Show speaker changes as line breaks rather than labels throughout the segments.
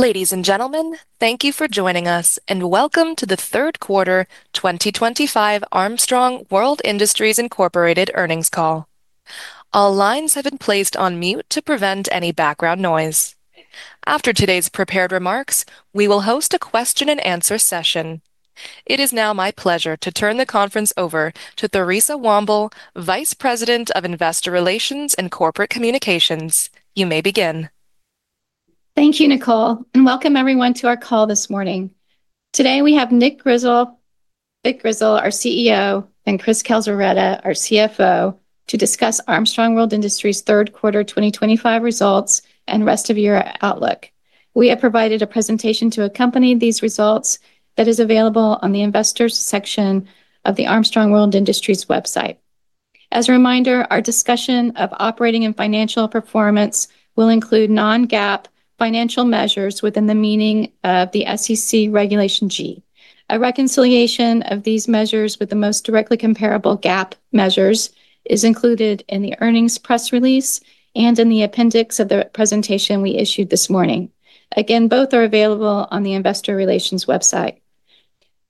Ladies and gentlemen, thank you for joining us and welcome to the third quarter 2025 Armstrong World Industries Incorporated earnings call. All lines have been placed on mute to prevent any background noise. After today's prepared remarks, we will host a question and answer session. It is now my pleasure to turn the conference over to Theresa Womble, Vice President of Investor Relations and Corporate Communications. You may begin.
Thank you, Nicole, and welcome everyone to our call this morning. Today we have Vic Grizzle, our CEO, and Chris Calzaretta, our CFO, to discuss Armstrong World Industries' third quarter 2025 results and the rest of your outlook. We have provided a presentation to accompany these results that is available on the investors' section of the Armstrong World Industries website. As a reminder, our discussion of operating and financial performance will include non-GAAP financial measures within the meaning of the SEC Regulation G. A reconciliation of these measures with the most directly comparable GAAP measures is included in the earnings press release and in the appendix of the presentation we issued this morning. Both are available on the investor relations website.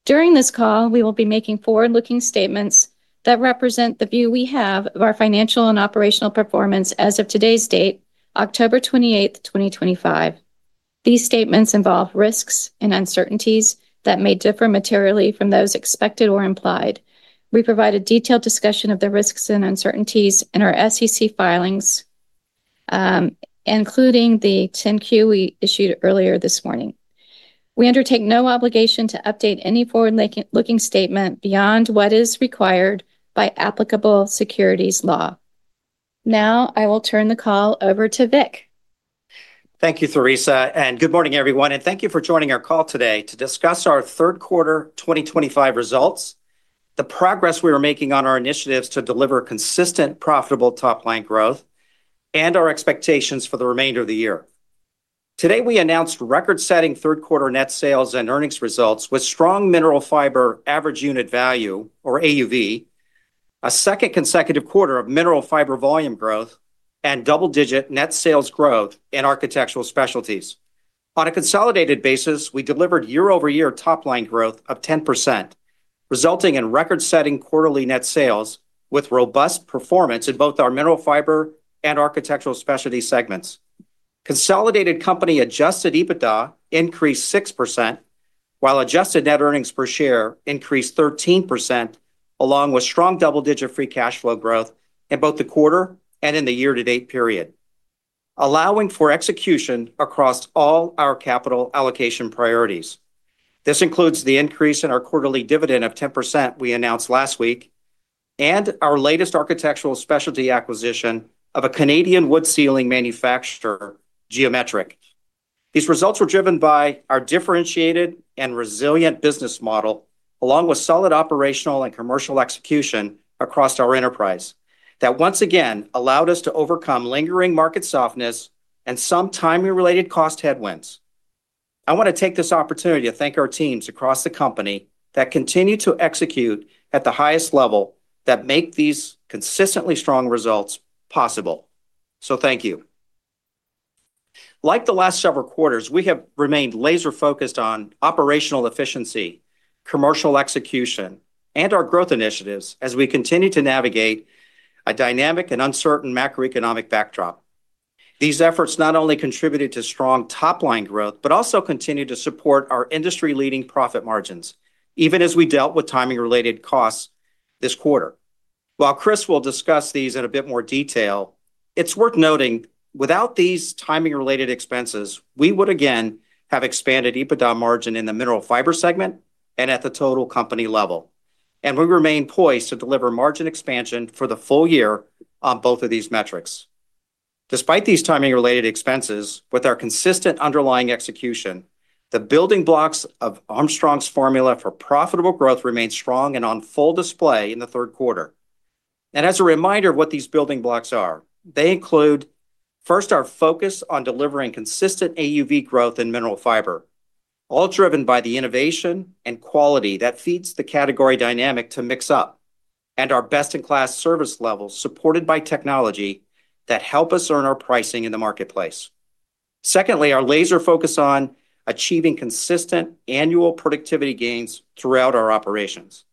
During this call, we will be making forward-looking statements that represent the view we have of our financial and operational performance as of today's date, October 28th, 2025. These statements involve risks and uncertainties that may differ materially from those expected or implied. We provide a detailed discussion of the risks and uncertainties in our SEC filings, including the 10-Q we issued earlier this morning. We undertake no obligation to update any forward-looking statement beyond what is required by applicable securities law. Now I will turn the call over to Vic.
Thank you, Theresa, and good morning everyone, and thank you for joining our call today to discuss our third quarter 2025 results, the progress we are making on our initiatives to deliver consistent, profitable top-line growth, and our expectations for the remainder of the year. Today we announced record-setting third quarter net sales and earnings results with strong Mineral Fiber average unit value, or AUV, a second consecutive quarter of Mineral Fiber volume growth, and double-digit net sales growth in Architectural Specialties. On a consolidated basis, we delivered year-over-year top-line growth of 10%, resulting in record-setting quarterly net sales with robust performance in both our Mineral Fiber and Architectural Specialties segments. Consolidated company adjusted EBITDA increased 6%, while adjusted net earnings per share increased 13%, along with strong double-digit free cash flow growth in both the quarter and in the year-to-date period, allowing for execution across all our capital allocation priorities. This includes the increase in our quarterly dividend of 10% we announced last week, and our latest Architectural Specialties acquisition of a Canadian wood ceiling manufacturer, Geometrik. These results were driven by our differentiated and resilient business model, along with solid operational and commercial execution across our enterprise that once again allowed us to overcome lingering market softness and some timing-related cost headwinds. I want to take this opportunity to thank our teams across the company that continue to execute at the highest level that make these consistently strong results possible. Thank you. Like the last several quarters, we have remained laser-focused on operational efficiency, commercial execution, and our growth initiatives as we continue to navigate a dynamic and uncertain macroeconomic backdrop. These efforts not only contributed to strong top-line growth but also continue to support our industry-leading profit margins, even as we dealt with timing-related costs this quarter. While Chris will discuss these in a bit more detail, it's worth noting without these timing-related expenses, we would again have expanded EBITDA margin in the Mineral Fiber segment and at the total company level, and we remain poised to deliver margin expansion for the full year on both of these metrics. Despite these timing-related expenses, with our consistent underlying execution, the building blocks of Armstrong's formula for profitable growth remain strong and on full display in the third quarter. As a reminder of what these building blocks are, they include first our focus on delivering consistent AUV growth in Mineral Fiber, all driven by the innovation and quality that feeds the category dynamic to mix up, and our best-in-class service levels supported by technology that help us earn our pricing in the marketplace. Secondly, our laser focus on achieving consistent annual productivity gains throughout our operations.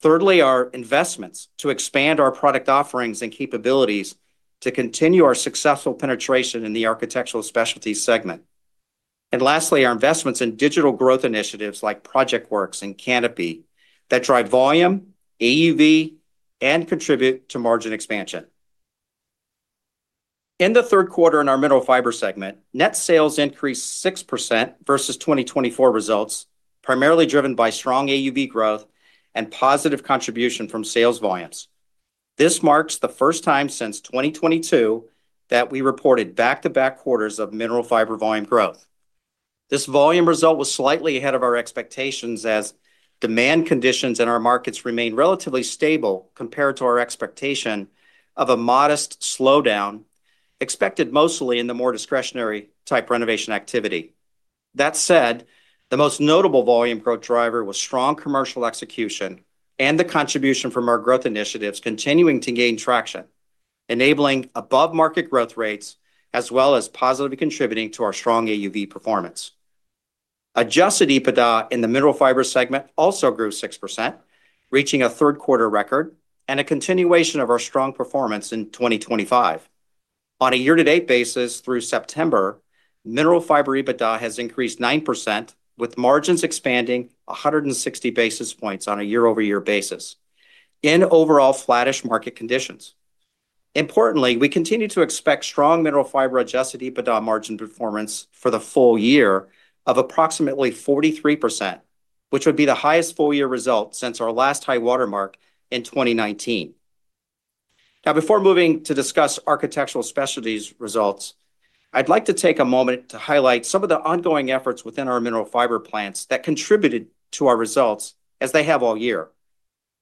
Thirdly, our investments to expand our product offerings and capabilities to continue our successful penetration in the Architectural Specialties segment. Lastly, our investments in digital growth initiatives like PROJECTWORKS and Kanopi that drive volume, AUV, and contribute to margin expansion. In the third quarter in our Mineral Fiber segment, net sales increased 6% versus 2024 results, primarily driven by strong AUV growth and positive contribution from sales volumes. This marks the first time since 2022 that we reported back-to-back quarters of Mineral Fiber volume growth. This volume result was slightly ahead of our expectations as demand conditions in our markets remain relatively stable compared to our expectation of a modest slowdown expected mostly in the more discretionary type renovation activity. That said, the most notable volume growth driver was strong commercial execution and the contribution from our growth initiatives continuing to gain traction, enabling above-market growth rates as well as positively contributing to our strong AUV performance. Adjusted EBITDA in the Mineral Fiber segment also grew 6%, reaching a third-quarter record and a continuation of our strong performance in 2025. On a year-to-date basis through September, Mineral Fiber EBITDA has increased 9%, with margins expanding 160 basis points on a year-over-year basis in overall flattish market conditions. Importantly, we continue to expect strong Mineral Fiber adjusted EBITDA margin performance for the full year of approximately 43%, which would be the highest full-year result since our last high watermark in 2019. Before moving to discuss Architectural Specialties results, I'd like to take a moment to highlight some of the ongoing efforts within our Mineral Fiber plants that contributed to our results as they have all year.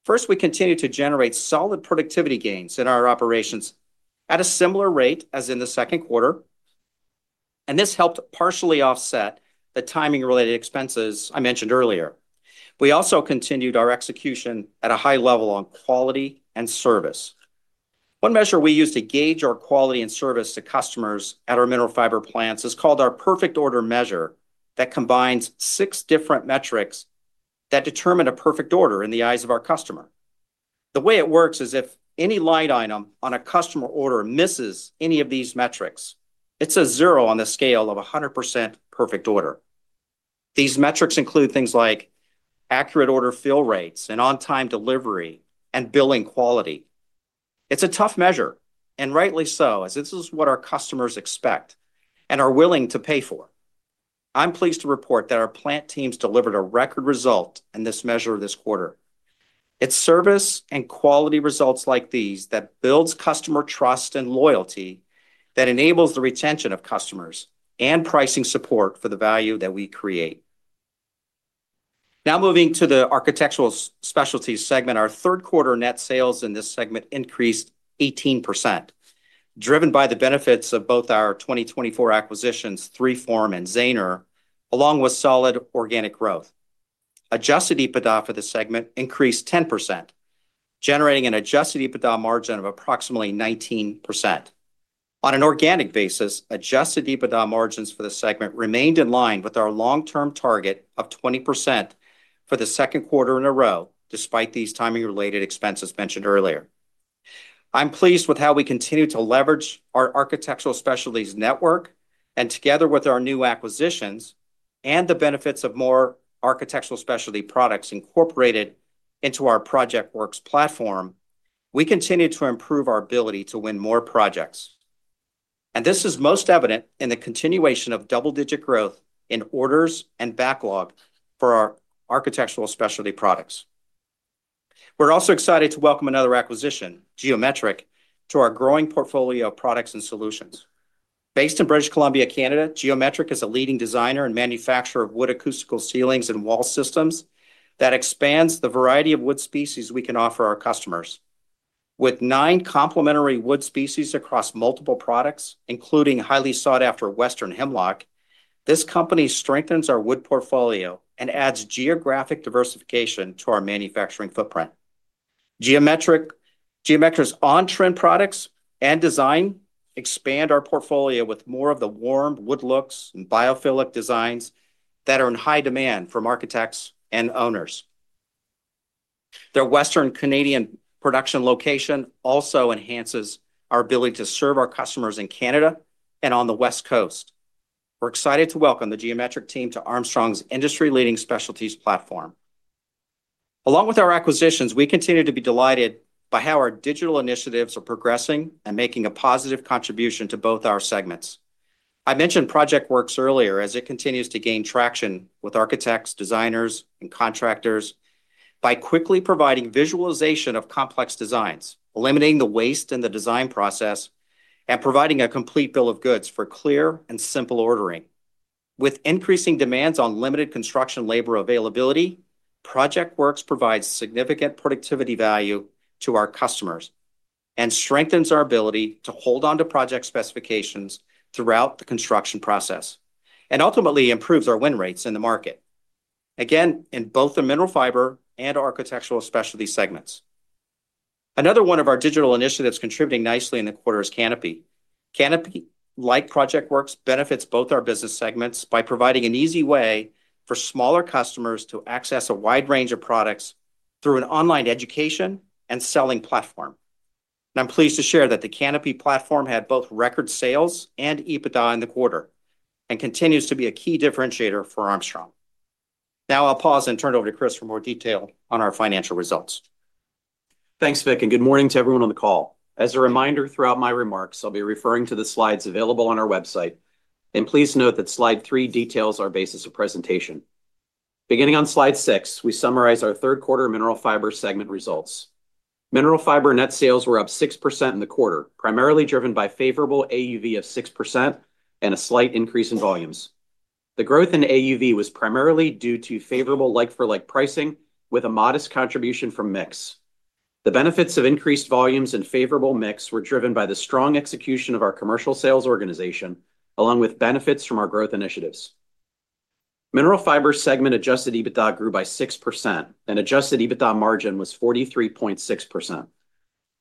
First, we continue to generate solid productivity gains in our operations at a similar rate as in the second quarter, and this helped partially offset the timing-related expenses I mentioned earlier. We also continued our execution at a high level on quality and service. One measure we use to gauge our quality and service to customers at our Mineral Fiber plants is called our perfect order measure that combines six different metrics that determine a perfect order in the eyes of our customer. The way it works is if any line item on a customer order misses any of these metrics, it's a zero on the scale of 100% perfect order. These metrics include things like accurate order fill rates and on-time delivery and billing quality. It's a tough measure, and rightly so, as this is what our customers expect and are willing to pay for. I'm pleased to report that our plant teams delivered a record result in this measure this quarter. It's service and quality results like these that build customer trust and loyalty, that enable the retention of customers and pricing support for the value that we create. Now moving to the Architectural Specialties segment, our third quarter net sales in this segment increased 18%, driven by the benefits of both our 2024 acquisitions, 3form and Zahner, along with solid organic growth. Adjusted EBITDA for the segment increased 10%, generating an adjusted EBITDA margin of approximately 19%. On an organic basis, adjusted EBITDA margins for the segment remained in line with our long-term target of 20% for the second quarter in a row, despite these timing-related expenses mentioned earlier. I'm pleased with how we continue to leverage our Architectural Specialties network, and together with our new acquisitions and the benefits of more Architectural Specialty products incorporated into our PROJECTWORKS platform, we continue to improve our ability to win more projects. This is most evident in the continuation of double-digit growth in orders and backlog for our Architectural Specialty products. We're also excited to welcome another acquisition, Geometrik, to our growing portfolio of products and solutions. Based in British Columbia, Canada, Geometrik is a leading designer and manufacturer of wood acoustical ceilings and wall systems that expands the variety of wood species we can offer our customers. With nine complementary wood species across multiple products, including highly sought-after Western Hemlock, this company strengthens our wood portfolio and adds geographic diversification to our manufacturing footprint. Geometrik's on-trend products and design expand our portfolio with more of the warm wood looks and biophilic designs that are in high demand from architects and owners. Their Western Canadian production location also enhances our ability to serve our customers in Canada and on the West Coast. We're excited to welcome the Geometrik team to Armstrong's industry-leading specialties platform. Along with our acquisitions, we continue to be delighted by how our digital initiatives are progressing and making a positive contribution to both our segments. I mentioned PROJECTWORKS earlier as it continues to gain traction with architects, designers, and contractors by quickly providing visualization of complex designs, eliminating the waste in the design process, and providing a complete bill of goods for clear and simple ordering. With increasing demands on limited construction labor availability, PROJECTWORKS provides significant productivity value to our customers and strengthens our ability to hold on to project specifications throughout the construction process and ultimately improves our win rates in the market, again, in both the Mineral Fiber and Architectural Specialties segments. Another one of our digital initiatives contributing nicely in the quarter is Kanopi. Kanopi, like PROJECTWORKS, benefits both our business segments by providing an easy way for smaller customers to access a wide range of products through an online education and selling platform. I'm pleased to share that the Kanopi platform had both record sales and EBITDA in the quarter and continues to be a key differentiator for Armstrong. Now I'll pause and turn it over to Chris for more detail on our financial results.
Thanks, Vic, and good morning to everyone on the call. As a reminder, throughout my remarks, I'll be referring to the slides available on our website, and please note that slide three details our basis of presentation. Beginning on slide six, we summarize our third quarter Mineral Fiber segment results. Mineral Fiber net sales were up 6% in the quarter, primarily driven by favorable AUV of 6% and a slight increase in volumes. The growth in AUV was primarily due to favorable like-for-like pricing with a modest contribution from mix. The benefits of increased volumes and favorable mix were driven by the strong execution of our commercial sales organization, along with benefits from our growth initiatives. Mineral Fiber segment adjusted EBITDA grew by 6%, and adjusted EBITDA margin was 43.6%.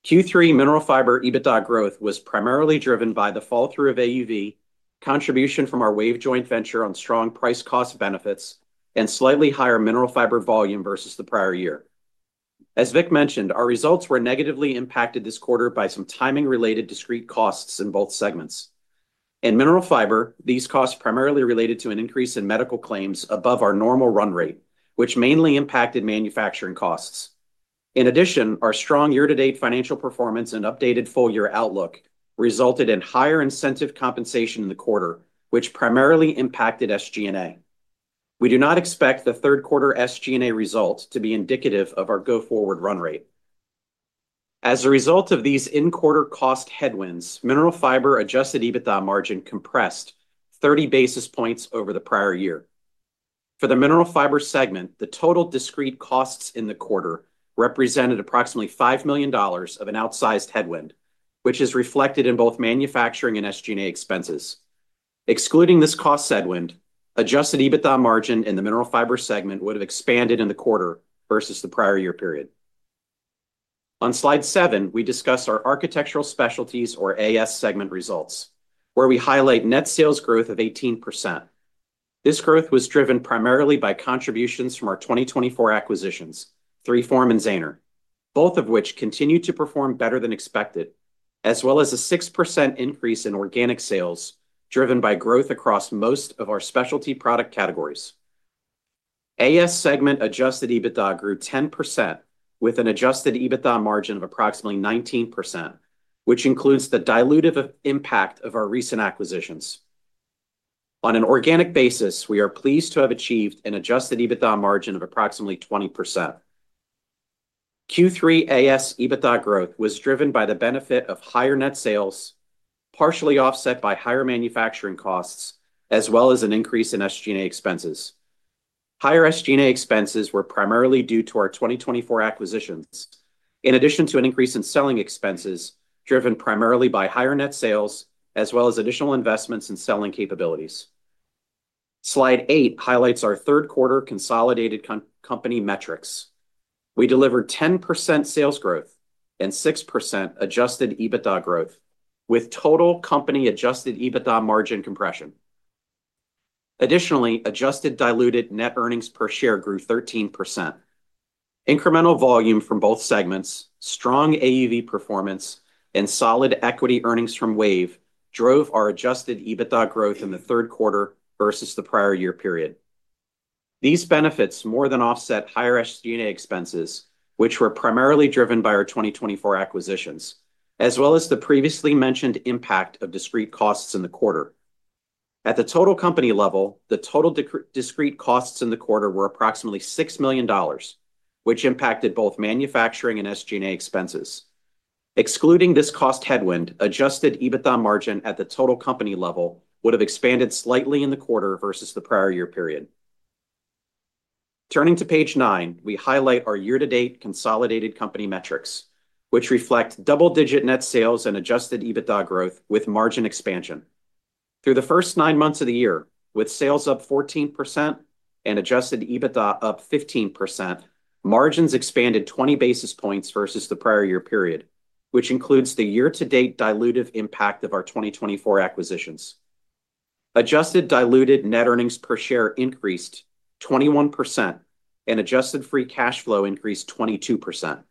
Q3 Mineral Fiber EBITDA growth was primarily driven by the fall through of AUV, contribution from our WAVE joint venture on strong price-cost benefits, and slightly higher Mineral Fiber volume versus the prior year. As Vic mentioned, our results were negatively impacted this quarter by some timing-related discrete costs in both segments. In Mineral Fiber, these costs primarily related to an increase in medical claims above our normal run rate, which mainly impacted manufacturing costs. In addition, our strong year-to-date financial performance and updated full-year outlook resulted in higher incentive compensation in the quarter, which primarily impacted SG&A. We do not expect the third quarter SG&A result to be indicative of our go-forward run rate. As a result of these in-quarter cost headwinds, Mineral Fiber adjusted EBITDA margin compressed 30 basis points over the prior year. For the Mineral Fiber segment, the total discrete costs in the quarter represented approximately $5 million of an outsized headwind, which is reflected in both manufacturing and SG&A expenses. Excluding this cost headwind, adjusted EBITDA margin in the Mineral Fiber segment would have expanded in the quarter versus the prior year period. On slide seven, we discuss our Architectural Specialties, or AS segment results, where we highlight net sales growth of 18%. This growth was driven primarily by contributions from our 2024 acquisitions, 3form and Zahner, both of which continue to perform better than expected, as well as a 6% increase in organic sales driven by growth across most of our specialty product categories. AS segment adjusted EBITDA grew 10% with an adjusted EBITDA margin of approximately 19%, which includes the dilutive impact of our recent acquisitions. On an organic basis, we are pleased to have achieved an adjusted EBITDA margin of approximately 20%. Q3 AS EBITDA growth was driven by the benefit of higher net sales, partially offset by higher manufacturing costs, as well as an increase in SG&A expenses. Higher SG&A expenses were primarily due to our 2024 acquisitions, in addition to an increase in selling expenses driven primarily by higher net sales, as well as additional investments in selling capabilities. Slide eight highlights our third quarter consolidated company metrics. We delivered 10% sales growth and 6% adjusted EBITDA growth, with total company adjusted EBITDA margin compression. Additionally, adjusted diluted net earnings per share grew 13%. Incremental volume from both segments, strong AUV performance, and solid equity earnings from WAVE drove our adjusted EBITDA growth in the third quarter versus the prior year period. These benefits more than offset higher SG&A expenses, which were primarily driven by our 2024 acquisitions, as well as the previously mentioned impact of discrete costs in the quarter. At the total company level, the total discrete costs in the quarter were approximately $6 million, which impacted both manufacturing and SG&A expenses. Excluding this cost headwind, adjusted EBITDA margin at the total company level would have expanded slightly in the quarter versus the prior year period. Turning to page nine, we highlight our year-to-date consolidated company metrics, which reflect double-digit net sales and adjusted EBITDA growth with margin expansion. Through the first nine months of the year, with sales up 14% and adjusted EBITDA up 15%, margins expanded 20 basis points versus the prior year period, which includes the year-to-date dilutive impact of our 2024 acquisitions. Adjusted diluted net earnings per share increased 21%, and adjusted free cash flow increased 22%.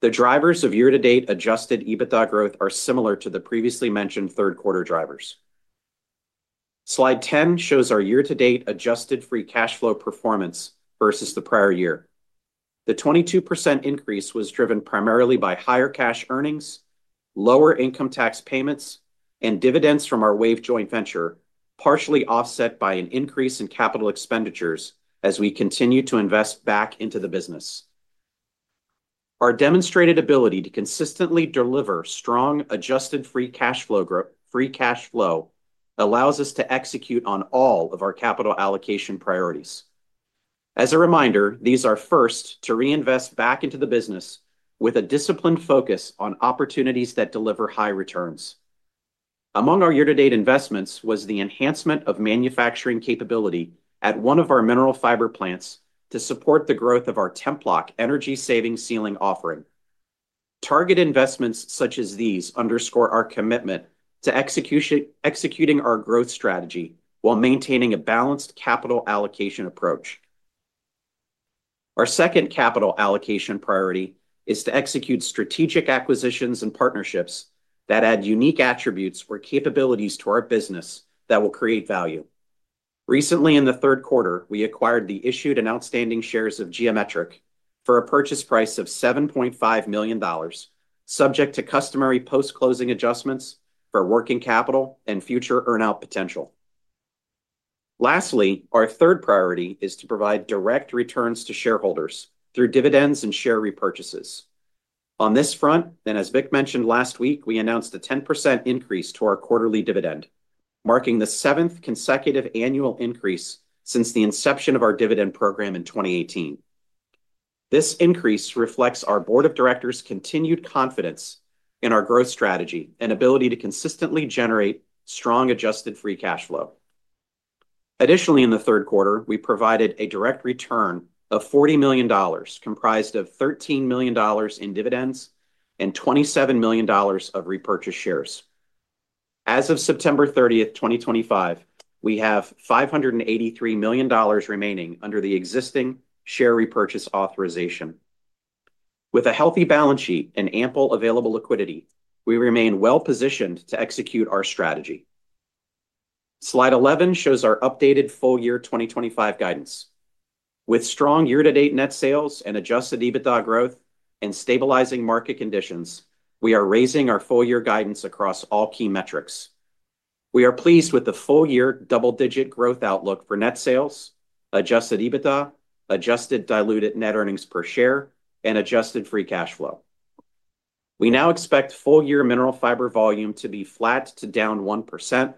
The drivers of year-to-date adjusted EBITDA growth are similar to the previously mentioned third quarter drivers. Slide 10 shows our year-to-date adjusted free cash flow performance versus the prior year. The 22% increase was driven primarily by higher cash earnings, lower income tax payments, and dividends from our WAVE joint venture, partially offset by an increase in capital expenditures as we continue to invest back into the business. Our demonstrated ability to consistently deliver strong adjusted free cash flow allows us to execute on all of our capital allocation priorities. As a reminder, these are first to reinvest back into the business with a disciplined focus on opportunities that deliver high returns. Among our year-to-date investments was the enhancement of manufacturing capability at one of our Mineral Fiber plants to support the growth of our TEMPLOK energy saving ceiling offering. Target investments such as these underscore our commitment to executing our growth strategy while maintaining a balanced capital allocation approach. Our second capital allocation priority is to execute strategic acquisitions and partnerships that add unique attributes or capabilities to our business that will create value. Recently, in the third quarter, we acquired the issued and outstanding shares of Geometrik for a purchase price of $7.5 million, subject to customary post-closing adjustments for working capital and future earnout potential. Lastly, our third priority is to provide direct returns to shareholders through dividends and share repurchases. On this front, and as Vic mentioned last week, we announced a 10% increase to our quarterly dividend, marking the seventh consecutive annual increase since the inception of our dividend program in 2018. This increase reflects our board of directors' continued confidence in our growth strategy and ability to consistently generate strong adjusted free cash flow. Additionally, in the third quarter, we provided a direct return of $40 million, comprised of $13 million in dividends and $27 million of repurchased shares. As of September 30th, 2025, we have $583 million remaining under the existing share repurchase authorization. With a healthy balance sheet and ample available liquidity, we remain well positioned to execute our strategy. Slide 11 shows our updated full year 2025 guidance. With strong year-to-date net sales and adjusted EBITDA growth and stabilizing market conditions, we are raising our full year guidance across all key metrics. We are pleased with the full year double-digit growth outlook for net sales, adjusted EBITDA, adjusted diluted net earnings per share, and adjusted free cash flow. We now expect full year Mineral Fiber volume to be flat to down 1%,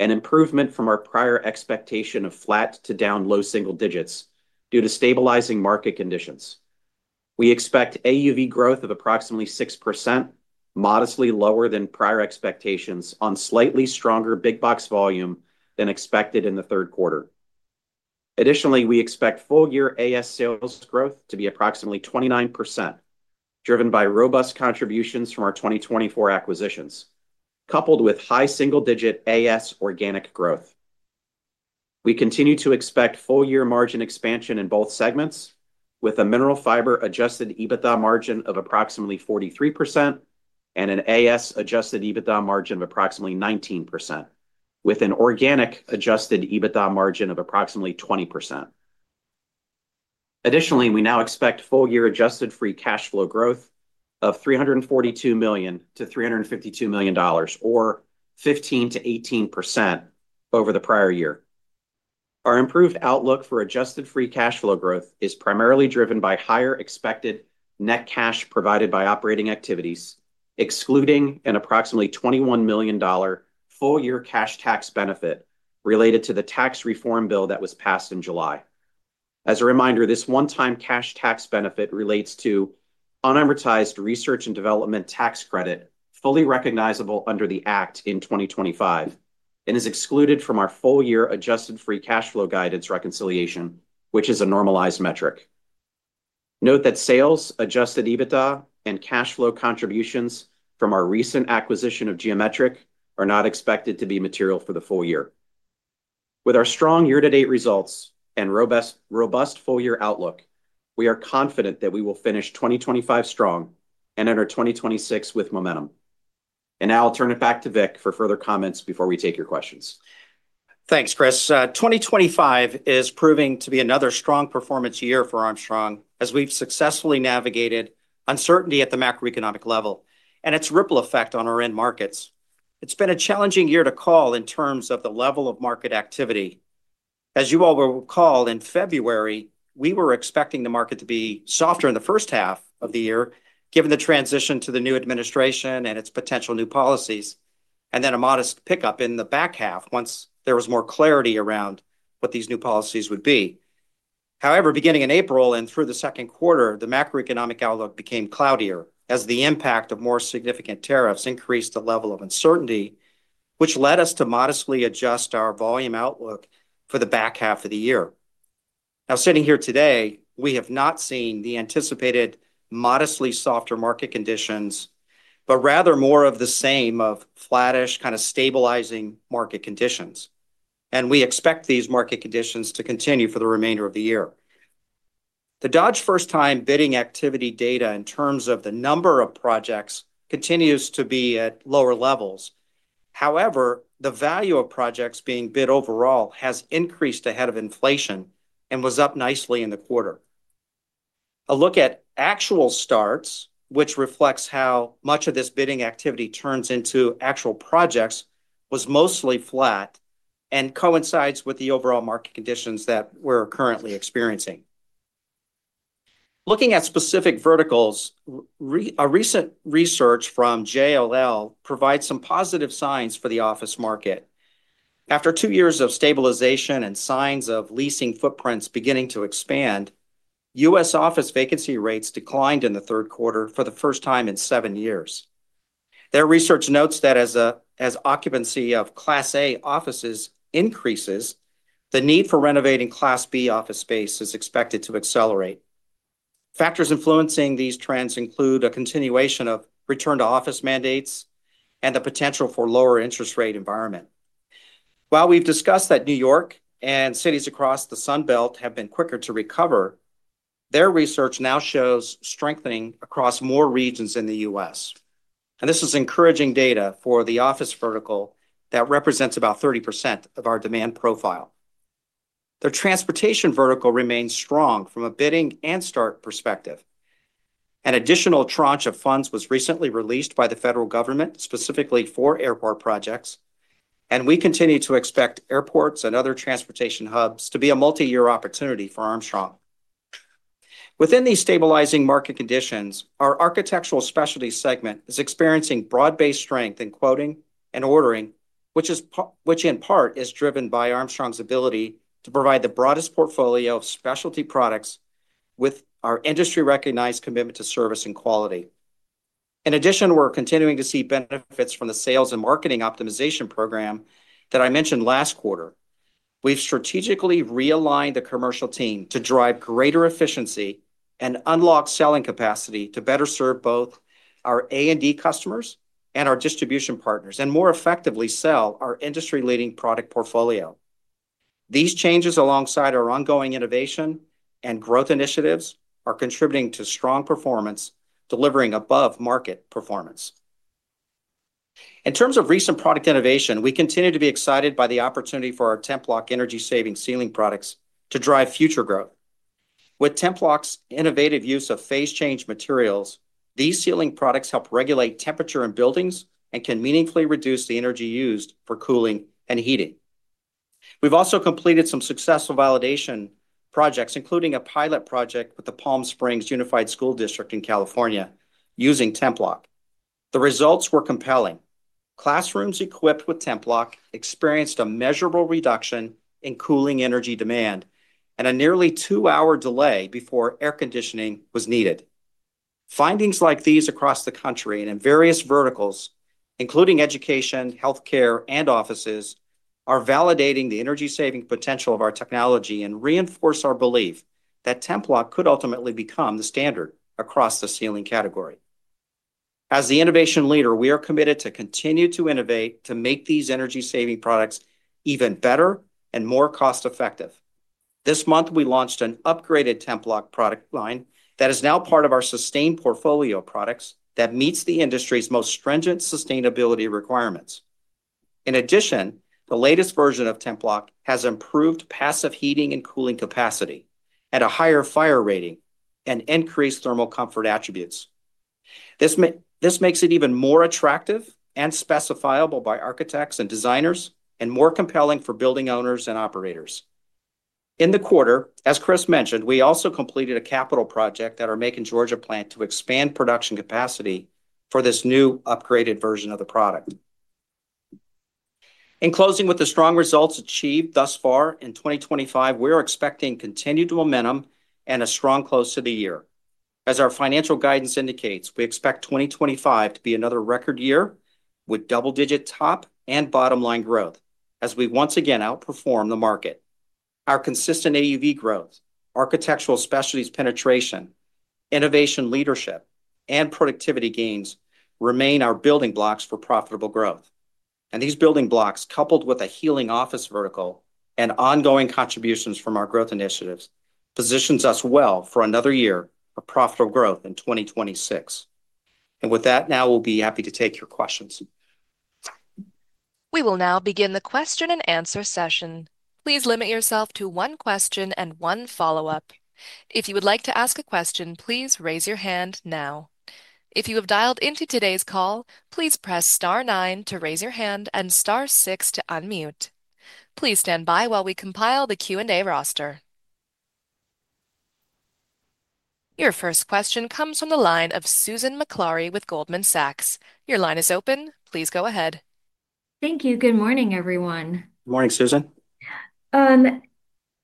an improvement from our prior expectation of flat to down low single digits due to stabilizing market conditions. We expect AUV growth of approximately 6%, modestly lower than prior expectations on slightly stronger big box volume than expected in the third quarter. Additionally, we expect full year AS sales growth to be approximately 29%, driven by robust contributions from our 2024 acquisitions, coupled with high single-digit AS organic growth. We continue to expect full year margin expansion in both segments, with a Mineral Fiber adjusted EBITDA margin of approximately 43% and an AS adjusted EBITDA margin of approximately 19%, with an organic adjusted EBITDA margin of approximately 20%. Additionally, we now expect full year adjusted free cash flow growth of $342 million-$352 million, or 15%-18% over the prior year. Our improved outlook for adjusted free cash flow growth is primarily driven by higher expected net cash provided by operating activities, excluding an approximately $21 million full year cash tax benefit related to the tax reform bill that was passed in July. As a reminder, this one-time cash tax benefit relates to unadvertised research and development tax credit, fully recognizable under the Act in 2025, and is excluded from our full year adjusted free cash flow guidance reconciliation, which is a normalized metric. Note that sales, adjusted EBITDA, and cash flow contributions from our recent acquisition of Geometrik are not expected to be material for the full year. With our strong year-to-date results and robust full year outlook, we are confident that we will finish 2025 strong and enter 2026 with momentum. I'll turn it back to Vic for further comments before we take your questions.
Thanks, Chris. 2025 is proving to be another strong performance year for Armstrong as we've successfully navigated uncertainty at the macroeconomic level and its ripple effect on our end markets. It's been a challenging year to call in terms of the level of market activity. As you all will recall, in February, we were expecting the market to be softer in the first half of the year, given the transition to the new administration and its potential new policies, and then a modest pickup in the back half once there was more clarity around what these new policies would be. However, beginning in April and through the second quarter, the macroeconomic outlook became cloudier as the impact of more significant tariffs increased the level of uncertainty, which led us to modestly adjust our volume outlook for the back half of the year. Now, sitting here today, we have not seen the anticipated modestly softer market conditions, but rather more of the same of flattish, kind of stabilizing market conditions. We expect these market conditions to continue for the remainder of the year. The Dodge first-time bidding activity data in terms of the number of projects continues to be at lower levels. However, the value of projects being bid overall has increased ahead of inflation and was up nicely in the quarter. A look at actual starts, which reflects how much of this bidding activity turns into actual projects, was mostly flat and coincides with the overall market conditions that we're currently experiencing. Looking at specific verticals, recent research from JLL provides some positive signs for the office market. After two years of stabilization and signs of leasing footprints beginning to expand, U.S. office vacancy rates declined in the third quarter for the first time in seven years. Their research notes that as occupancy of Class A offices increases, the need for renovating Class B office space is expected to accelerate. Factors influencing these trends include a continuation of return-to-office mandates and the potential for a lower interest rate environment. While we've discussed that New York and cities across the Sun Belt have been quicker to recover, their research now shows strengthening across more regions in the U.S., and this is encouraging data for the office vertical that represents about 30% of our demand profile. The transportation vertical remains strong from a bidding and start perspective. An additional tranche of funds was recently released by the federal government specifically for airport projects, and we continue to expect airports and other transportation hubs to be a multi-year opportunity for Armstrong. Within these stabilizing market conditions, our Architectural Specialties segment is experiencing broad-based strength in quoting and ordering, which in part is driven by Armstrong's ability to provide the broadest portfolio of specialty products with our industry-recognized commitment to service and quality. In addition, we're continuing to see benefits from the sales and marketing optimization program that I mentioned last quarter. We've strategically realigned the commercial team to drive greater efficiency and unlock selling capacity to better serve both our A&D customers and our distribution partners and more effectively sell our industry-leading product portfolio. These changes, alongside our ongoing innovation and growth initiatives, are contributing to strong performance, delivering above market performance. In terms of recent product innovation, we continue to be excited by the opportunity for our TEMPLOK energy saving ceiling products to drive future growth. With TEMPLOK's innovative use of phase change materials, these ceiling products help regulate temperature in buildings and can meaningfully reduce the energy used for cooling and heating. We've also completed some successful validation projects, including a pilot project with the Palm Springs Unified School District in California using TEMPLOK. The results were compelling. Classrooms equipped with TEMPLOK experienced a measurable reduction in cooling energy demand and a nearly two-hour delay before air conditioning was needed. Findings like these across the country and in various verticals, including education, healthcare, and offices, are validating the energy saving potential of our technology and reinforce our belief that TEMPLOK could ultimately become the standard across the ceiling category. As the innovation leader, we are committed to continue to innovate to make these energy saving products even better and more cost-effective. This month, we launched an upgraded TEMPLOK product line that is now part of our sustained portfolio of products that meets the industry's most stringent sustainability requirements. In addition, the latest version of TEMPLOK has improved passive heating and cooling capacity, a higher fire rating, and increased thermal comfort attributes. This makes it even more attractive and specifiable by architects and designers, and more compelling for building owners and operators. In the quarter, as Chris mentioned, we also completed a capital project at our Macon, Georgia plant to expand production capacity for this new upgraded version of the product. In closing, with the strong results achieved thus far in 2025, we're expecting continued momentum and a strong close to the year. As our financial guidance indicates, we expect 2025 to be another record year with double-digit top and bottom line growth as we once again outperform the market. Our consistent AUV growth, Architectural Specialties penetration, innovation leadership, and productivity gains remain our building blocks for profitable growth. These building blocks, coupled with a healing office vertical and ongoing contributions from our growth initiatives, position us well for another year of profitable growth in 2026. With that, now we'll be happy to take your questions.
We will now begin the question and answer session. Please limit yourself to one question and one follow-up. If you would like to ask a question, please raise your hand now. If you have dialed into today's call, please press star nine to raise your hand and star six to unmute. Please stand by while we compile the Q&A roster. Your first question comes from the line of Susan Maklari with Goldman Sachs. Your line is open. Please go ahead.
Thank you. Good morning, everyone.
Morning, Susan.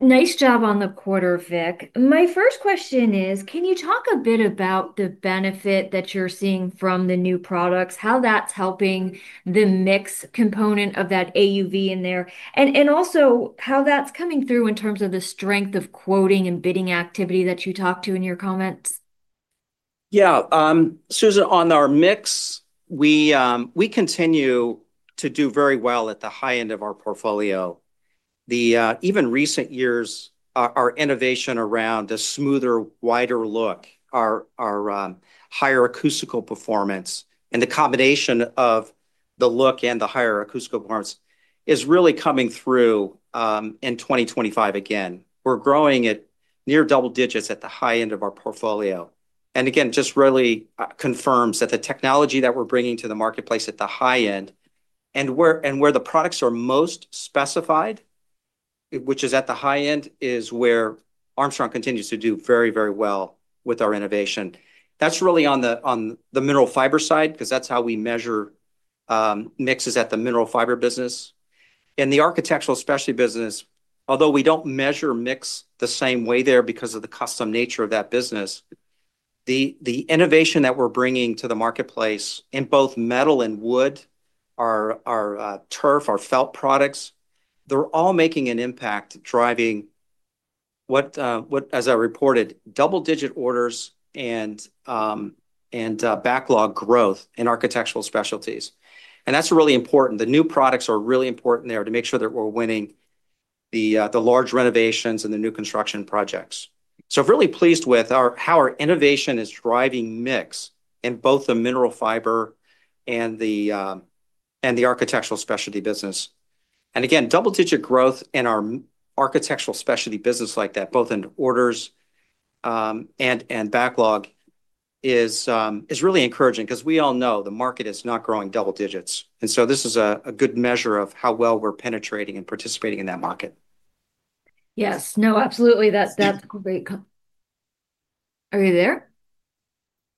Nice job on the quarter, Vic. My first question is, can you talk a bit about the benefit that you're seeing from the new products, how that's helping the mix component of that AUV in there, and also how that's coming through in terms of the strength of quoting and bidding activity that you talked to in your comments?
Yeah, Susan, on our mix, we continue to do very well at the high end of our portfolio. Even in recent years, our innovation around a smoother, wider look, our higher acoustical performance, and the combination of the look and the higher acoustical performance is really coming through in 2025 again. We're growing at near double digits at the high end of our portfolio. It just really confirms that the technology that we're bringing to the marketplace at the high end and where the products are most specified, which is at the high end, is where Armstrong continues to do very, very well with our innovation. That's really on the mineral fiber side because that's how we measure mixes at the Mineral Fiber business. In the Architectural Specialties business, although we don't measure mix the same way there because of the custom nature of that business, the innovation that we're bringing to the marketplace in both metal and wood, our turf, our felt products, they're all making an impact driving, as I reported, double-digit orders and backlog growth in Architectural Specialties. That's really important. The new products are really important there to make sure that we're winning the large renovations and the new construction projects. I'm really pleased with how our innovation is driving mix in both the Mineral Fiber and the Architectural Specialties business. Double-digit growth in our Architectural Specialties business like that, both in orders and backlog, is really encouraging because we all know the market is not growing double digits. This is a good measure of how well we're penetrating and participating in that market.
Yes, absolutely. That's great. Are you there?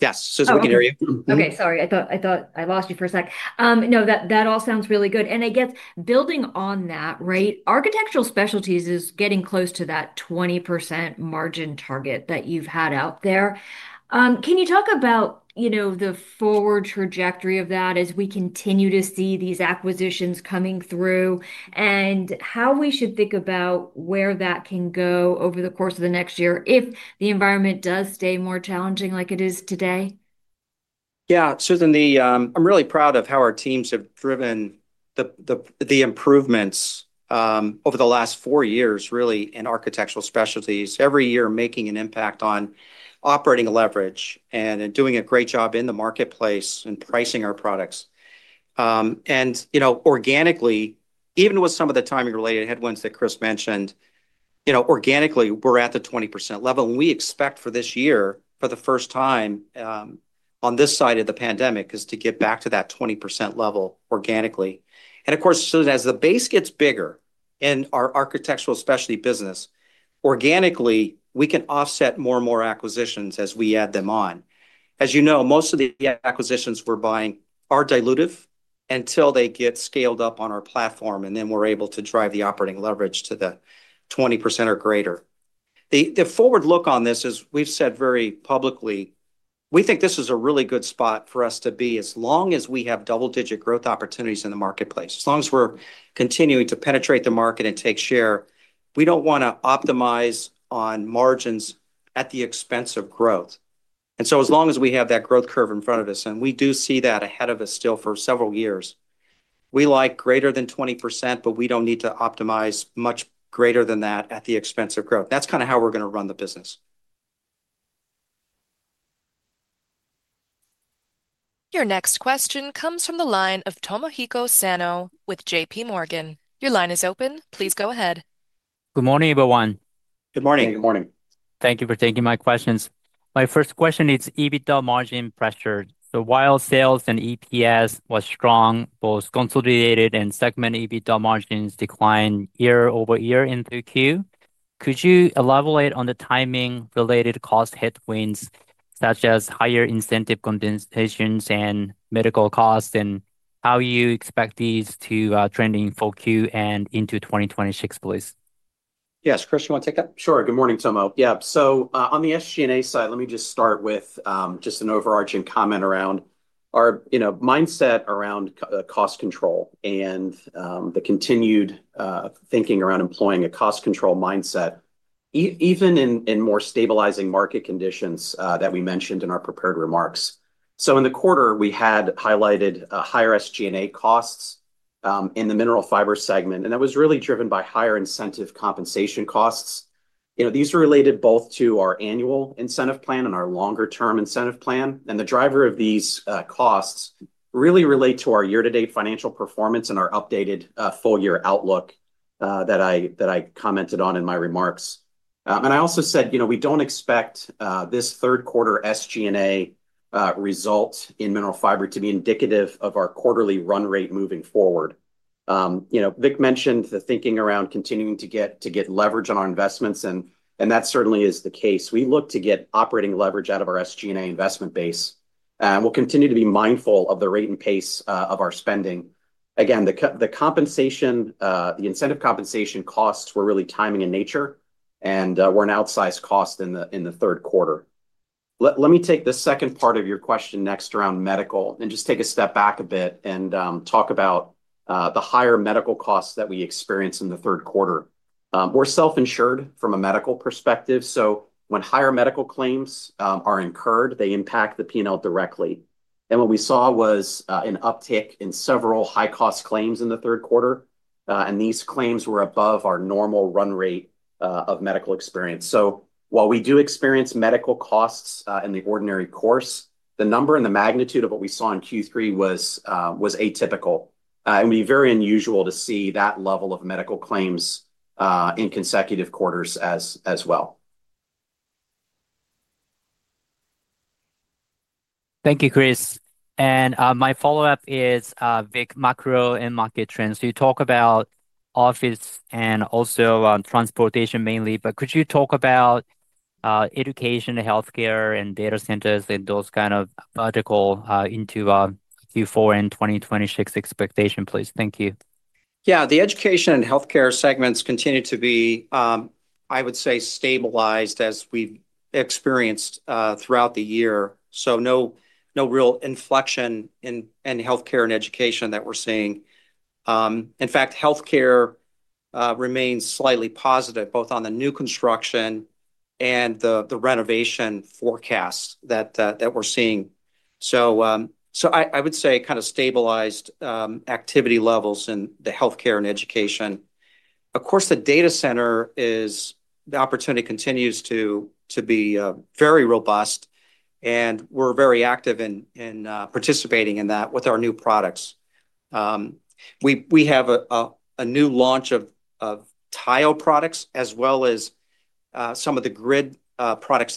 Yes, Susan, we can hear you.
Sorry. I thought I lost you for a sec. No, that all sounds really good. I guess building on that, Architectural Specialties is getting close to that 20% margin target that you've had out there. Can you talk about the forward trajectory of that as we continue to see these acquisitions coming through and how we should think about where that can go over the course of the next year if the environment does stay more challenging like it is today?
Yeah, Susan, I'm really proud of how our teams have driven the improvements over the last four years, really, in Architectural Specialties, every year making an impact on operating leverage and doing a great job in the marketplace and pricing our products. You know, organically, even with some of the timing-related headwinds that Chris mentioned, you know, organically, we're at the 20% level. We expect for this year, for the first time on this side of the pandemic, to get back to that 20% level organically. Of course, Susan, as the base gets bigger in our Architectural Specialties business, organically, we can offset more and more acquisitions as we add them on. As you know, most of the acquisitions we're buying are dilutive until they get scaled up on our platform, and then we're able to drive the operating leverage to the 20% or greater. The forward look on this is, we've said very publicly, we think this is a really good spot for us to be as long as we have double-digit growth opportunities in the marketplace. As long as we're continuing to penetrate the market and take share, we don't want to optimize on margins at the expense of growth. As long as we have that growth curve in front of us, and we do see that ahead of us still for several years, we like greater than 20%, but we don't need to optimize much greater than that at the expense of growth. That's kind of how we're going to run the business.
Your next question comes from the line of Tomohiko Sano with JPMorgan. Your line is open. Please go ahead.
Good morning, everyone.
Good morning.
Good morning.
Thank you for taking my questions. My first question is EBITDA margin pressure. While sales and EPS were strong, both consolidated and segment EBITDA margins declined year-over-year in 2Q. Could you elaborate on the timing-related cost headwinds, such as higher incentive compensation and medical costs, and how you expect these to trend in 4Q and into 2026, please?
Yes, Chris, you want to take that?
Sure. Good morning, Tomo. On the SG&A side, let me just start with an overarching comment around our mindset around cost control and the continued thinking around employing a cost control mindset, even in more stabilizing market conditions that we mentioned in our prepared remarks. In the quarter, we had highlighted higher SG&A costs in the Mineral Fiber segment, and that was really driven by higher incentive compensation costs. These are related both to our annual incentive plan and our longer-term incentive plan. The driver of these costs really relates to our year-to-date financial performance and our updated full-year outlook that I commented on in my remarks. I also said we don't expect this third quarter SG&A result in Mineral Fiber to be indicative of our quarterly run rate moving forward. Vic mentioned the thinking around continuing to get leverage on our investments, and that certainly is the case. We look to get operating leverage out of our SG&A investment base, and we'll continue to be mindful of the rate and pace of our spending. The incentive compensation costs were really timing in nature, and were an outsized cost in the third quarter. Let me take the second part of your question next around medical and just take a step back a bit and talk about the higher medical costs that we experienced in the third quarter. We're self-insured from a medical perspective, so when higher medical claims are incurred, they impact the P&L directly. What we saw was an uptick in several high-cost claims in the third quarter, and these claims were above our normal run rate of medical experience. While we do experience medical costs in the ordinary course, the number and the magnitude of what we saw in Q3 was atypical. It would be very unusual to see that level of medical claims in consecutive quarters as well.
Thank you, Chris. My follow-up is Vic, macro and market trends. You talk about office and also transportation mainly, but could you talk about education, healthcare, and data centers and those kind of verticals into Q4 and 2026 expectation, please? Thank you.
Yeah, the education and healthcare segments continue to be, I would say, stabilized as we've experienced throughout the year. No real inflection in healthcare and education that we're seeing. In fact, healthcare remains slightly positive, both on the new construction and the renovation forecast that we're seeing. I would say kind of stabilized activity levels in the healthcare and education. Of course, the data center opportunity continues to be very robust, and we're very active in participating in that with our new products. We have a new launch of tile products, as well as some of the grid products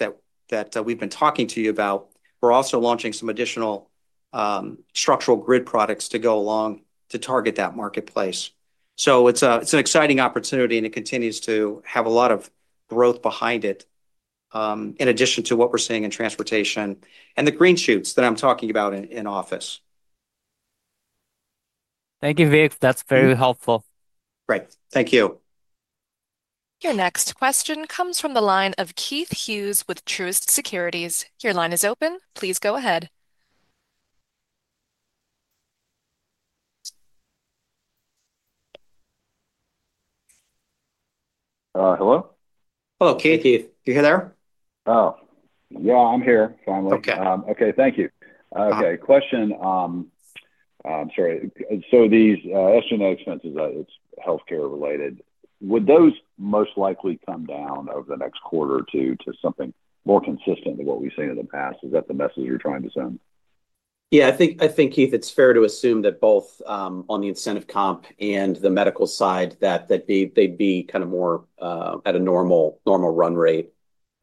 that we've been talking to you about. We're also launching some additional structural grid products to go along to target that marketplace. It's an exciting opportunity, and it continues to have a lot of growth behind it in addition to what we're seeing in transportation and the green shoots that I'm talking about in office.
Thank you, Vic. That's very helpful.
Great. Thank you.
Your next question comes from the line of Keith Hughes with Truist Securities. Your line is open. Please go ahead.
Hello?
Hello, Keith. Are you there?
Oh, yeah, I'm here. Finally.
Okay.
Okay, thank you. Question. I'm sorry. These SG&A expenses, it's healthcare related. Would those most likely come down over the next quarter or two to something more consistent to what we've seen in the past? Is that the message you're trying to send?
I think, Keith, it's fair to assume that both on the incentive comp and the medical side, that they'd be kind of more at a normal run rate.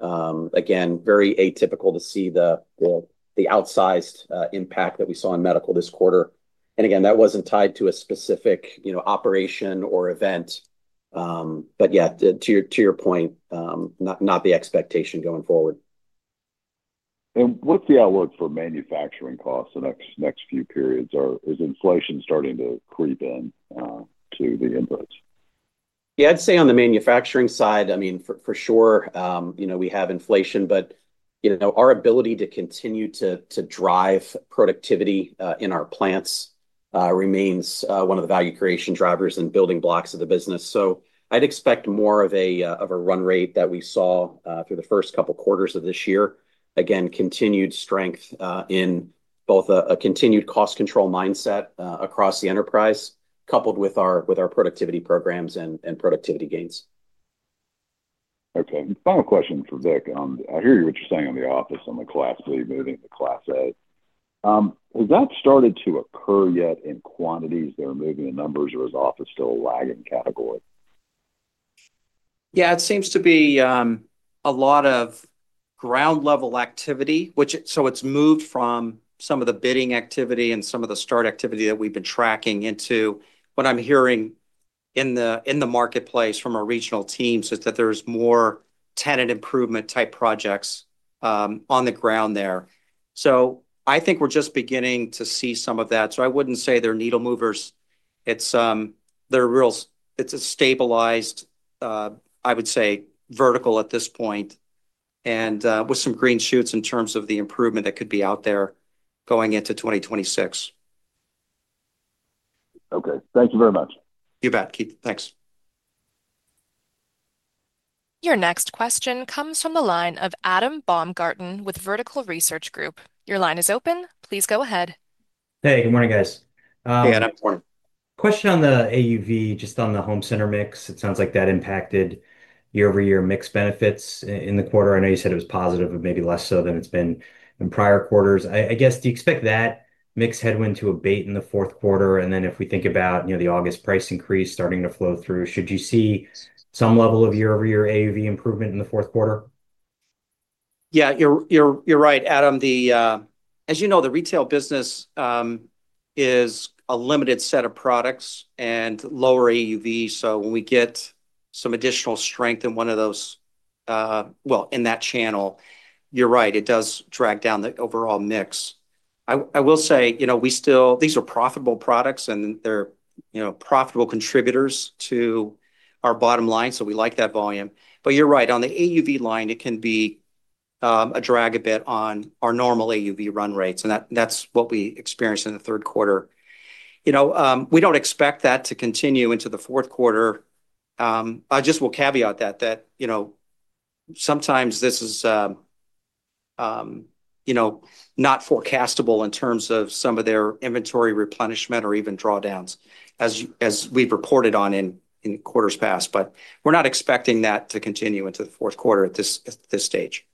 Again, very atypical to see the outsized impact that we saw in medical this quarter. That wasn't tied to a specific, you know, operation or event. To your point, not the expectation going forward.
What is the outlook for manufacturing costs in the next few periods? Is inflation starting to creep in to the inputs?
Yeah, I'd say on the manufacturing side, I mean, for sure, you know, we have inflation, but you know, our ability to continue to drive productivity in our plants remains one of the value creation drivers and building blocks of the business. I'd expect more of a run rate that we saw through the first couple of quarters of this year. Again, continued strength in both a continued cost control mindset across the enterprise, coupled with our productivity programs and productivity gains.
Okay. Final question for Vic. I hear what you're saying on the office, on the Class C moving to Class A. Has that started to occur yet in quantities that are moving in numbers, or is office still a lagging category?
Yeah, it seems to be a lot of ground-level activity, which means it's moved from some of the bidding activity and some of the start activity that we've been tracking into what I'm hearing in the marketplace from our regional teams, that there's more tenant improvement type projects on the ground there. I think we're just beginning to see some of that. I wouldn't say they're needle movers. It's a stabilized, I would say, vertical at this point, with some green shoots in terms of the improvement that could be out there going into 2026.
Okay, thank you very much.
You bet, Keith. Thanks.
Your next question comes from the line of Adam Baumgarten with Vertical Research Group. Your line is open. Please go ahead.
Hey, good morning, guys.
Hey, Adam.
Good morning. Question on the AUV, just on the home center mix. It sounds like that impacted year-over-year mix benefits in the quarter. I know you said it was positive, but maybe less so than it's been in prior quarters. Do you expect that mix headwind to abate in the fourth quarter? If we think about the August price increase starting to flow through, should you see some level of year-over-year AUV improvement in the fourth quarter?
Yeah, you're right, Adam. As you know, the retail business is a limited set of products and lower AUV. When we get some additional strength in one of those, in that channel, you're right, it does drag down the overall mix. I will say we still, these are profitable products, and they're profitable contributors to our bottom line, so we like that volume. You're right, on the AUV line, it can be a drag a bit on our normal AUV run rates, and that's what we experienced in the third quarter. We don't expect that to continue into the fourth quarter. I will caveat that, sometimes this is not forecastable in terms of some of their inventory replenishment or even drawdowns, as we've reported on in quarters past. We're not expecting that to continue into the fourth quarter at this stage.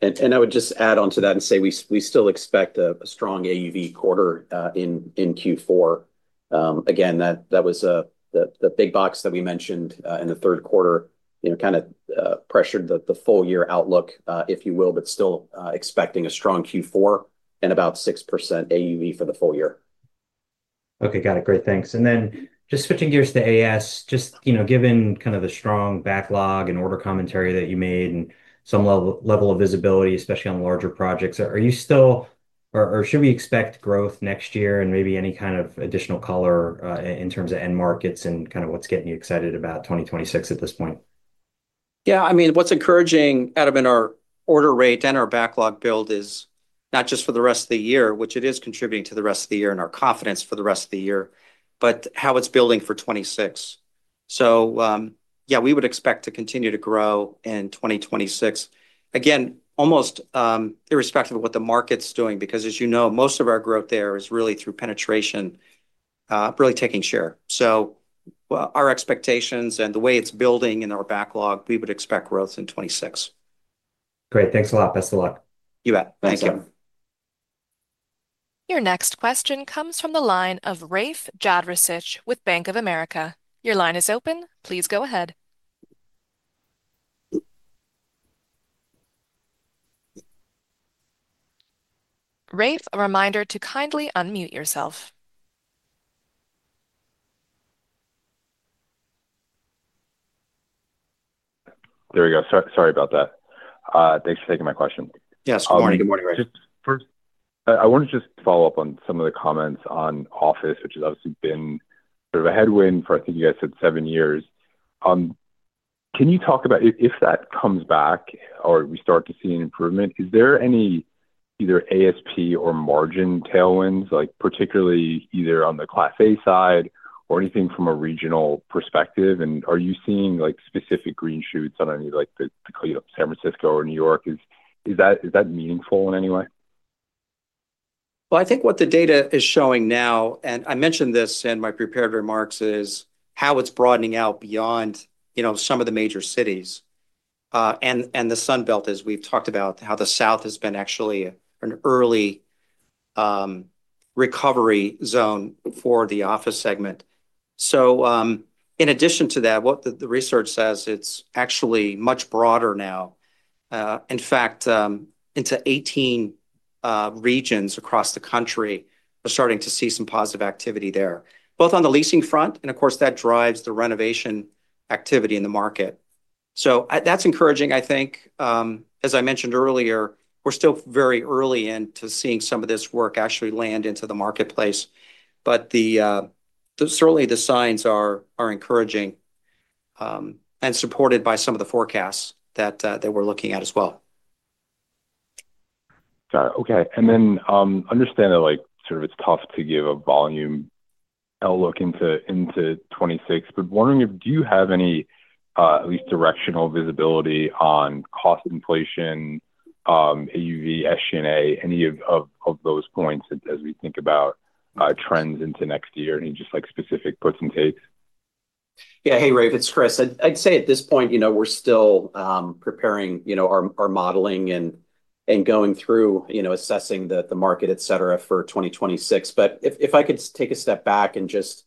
I would just add on to that and say we still expect a strong AUV quarter in Q4. Again, that was the big box that we mentioned in the third quarter, you know, kind of pressured the full year outlook, if you will, but still expecting a strong Q4 and about 6% AUV for the full year.
Okay, got it. Great, thanks. Just switching gears to Architectural Specialties, given kind of the strong backlog and order commentary that you made and some level of visibility, especially on larger projects, are you still, or should we expect growth next year and maybe any kind of additional color in terms of end markets and kind of what's getting you excited about 2026 at this point?
Yeah, I mean, what's encouraging, Adam, in our order rate and our backlog build is not just for the rest of the year, which it is contributing to the rest of the year and our confidence for the rest of the year, but how it's building for 2026. We would expect to continue to grow in 2026. Again, almost irrespective of what the market's doing, because as you know, most of our growth there is really through penetration, really taking share. Our expectations and the way it's building in our backlog, we would expect growth in 2026.
Great, thanks a lot. Best of luck.
You bet. Thank you.
Your next question comes from the line of Rafe Jadrosich with Bank of America. Your line is open. Please go ahead. Rafe, a reminder to kindly unmute yourself.
There we go. Sorry about that. Thanks for taking my question.
Yes, good morning.
I want to just follow up on some of the comments on office, which has obviously been sort of a headwind for, I think you guys said, seven years. Can you talk about if that comes back or we start to see an improvement, is there any either ASP or margin tailwinds, like particularly either on the Class A side or anything from a regional perspective? Are you seeing specific green shoots on any of the, you know, San Francisco or New York? Is that meaningful in any way?
I think what the data is showing now, and I mentioned this in my prepared remarks, is how it's broadening out beyond, you know, some of the major cities. The Sun Belt, as we've talked about, how the South has been actually an early recovery zone for the office segment. In addition to that, what the research says, it's actually much broader now. In fact, into 18 regions across the country, we're starting to see some positive activity there, both on the leasing front, and of course that drives the renovation activity in the market. That's encouraging, I think. As I mentioned earlier, we're still very early into seeing some of this work actually land into the marketplace, but certainly the signs are encouraging and supported by some of the forecasts that we're looking at as well.
Got it. Okay. I understand that it's tough to give a volume outlook into 2026, but wondering if you have any at least directional visibility on cost inflation, AUV, SG&A, any of those points as we think about trends into next year. Any just specific puts and takes?
Yeah. Hey, Rafe, it's Chris. I'd say at this point we're still preparing our modeling and going through assessing the market, etc., for 2026. If I could take a step back and just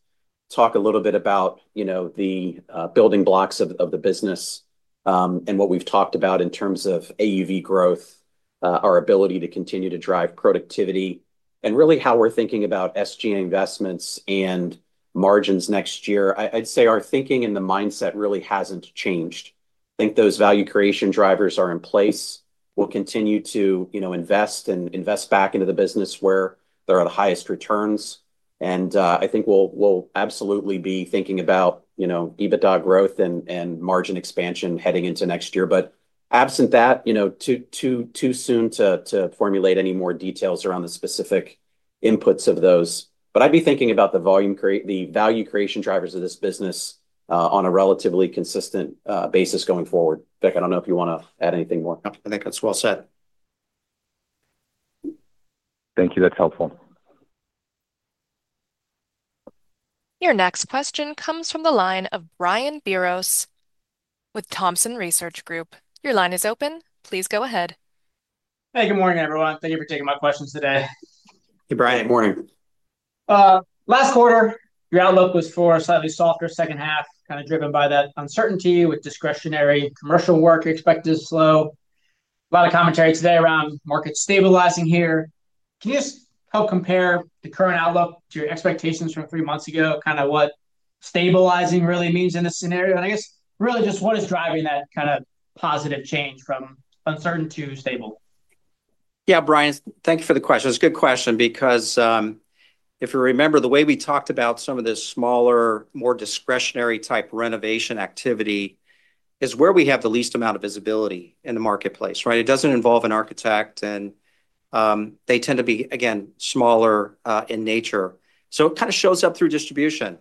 talk a little bit about the building blocks of the business and what we've talked about in terms of AUV growth, our ability to continue to drive productivity, and really how we're thinking about SG&A investments and margins next year, I'd say our thinking and the mindset really hasn't changed. I think those value creation drivers are in place. We'll continue to invest and invest back into the business where there are the highest returns. I think we'll absolutely be thinking about EBITDA growth and margin expansion heading into next year. Absent that, it's too soon to formulate any more details around the specific inputs of those. I'd be thinking about the value creation drivers of this business on a relatively consistent basis going forward. Vic, I don't know if you want to add anything more. I think that's well said.
Thank you. That's helpful.
Your next question comes from the line of Brian Biros with Thompson Research Group. Your line is open. Please go ahead.
Hey, good morning, everyone. Thank you for taking my questions today.
Hey, Brian. Good morning.
Last quarter, your outlook was for a slightly softer second half, kind of driven by that uncertainty with discretionary commercial work expected to slow. A lot of commentary today around markets stabilizing here. Can you just help compare the current outlook to your expectations from three months ago, kind of what stabilizing really means in this scenario? I guess really just what is driving that kind of positive change from uncertain to stable?
Yeah, Brian, thank you for the question. It's a good question because if you remember, the way we talked about some of this smaller, more discretionary type renovation activity is where we have the least amount of visibility in the marketplace, right? It doesn't involve an architect, and they tend to be, again, smaller in nature. It kind of shows up through distribution.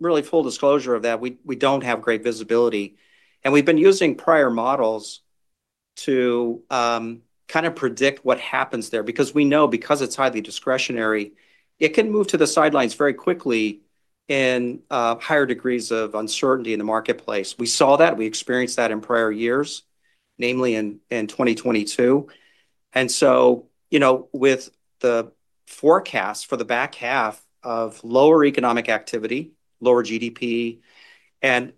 Really, full disclosure of that, we don't have great visibility. We've been using prior models to kind of predict what happens there because we know because it's highly discretionary, it can move to the sidelines very quickly in higher degrees of uncertainty in the marketplace. We saw that. We experienced that in prior years, namely in 2022. With the forecast for the back half of lower economic activity, lower GDP, and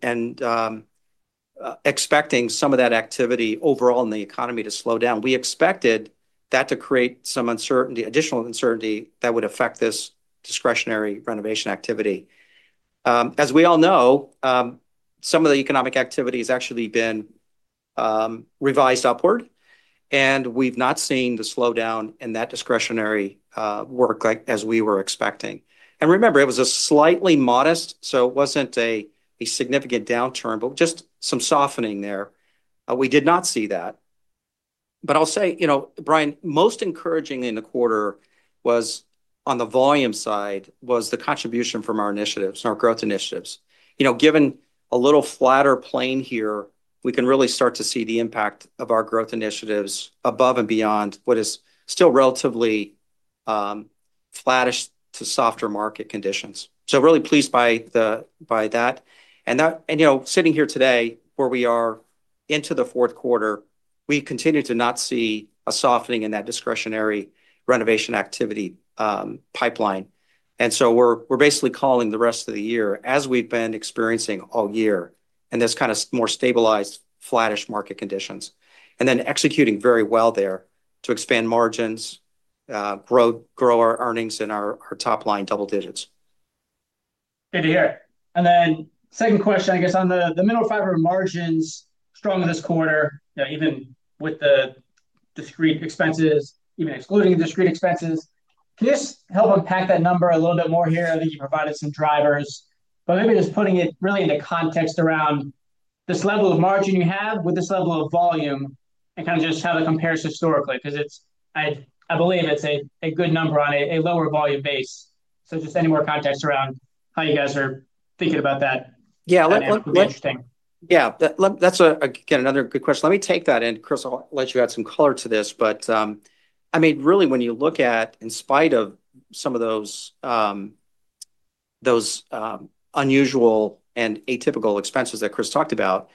expecting some of that activity overall in the economy to slow down, we expected that to create some additional uncertainty that would affect this discretionary renovation activity. As we all know, some of the economic activity has actually been revised upward, and we've not seen the slowdown in that discretionary work as we were expecting. Remember, it was a slightly modest, so it wasn't a significant downturn, but just some softening there. We did not see that. I'll say, you know, Brian, most encouraging in the quarter was on the volume side was the contribution from our initiatives and our growth initiatives. Given a little flatter plane here, we can really start to see the impact of our growth initiatives above and beyond what is still relatively flattish to softer market conditions. Really pleased by that. Sitting here today where we are into the fourth quarter, we continue to not see a softening in that discretionary renovation activity pipeline. We're basically calling the rest of the year as we've been experiencing all year in this kind of more stabilized, flattish market conditions, and then executing very well there to expand margins, grow our earnings in our top line double digits.
Good to hear. Second question, I guess, on the Mineral Fiber margins, strong this quarter, even with the discrete expenses, even excluding the discrete expenses. Can you just help unpack that number a little bit more here? I think you provided some drivers, but maybe just putting it really into context around this level of margin you have with this level of volume and kind of just how that compares historically, because I believe it's a good number on a lower volume base. Just any more context around how you guys are thinking about that.
Yeah, that's again another good question. Let me take that, and Chris, I'll let you add some color to this. I mean, really, when you look at, in spite of some of those unusual and atypical expenses that Chris talked about,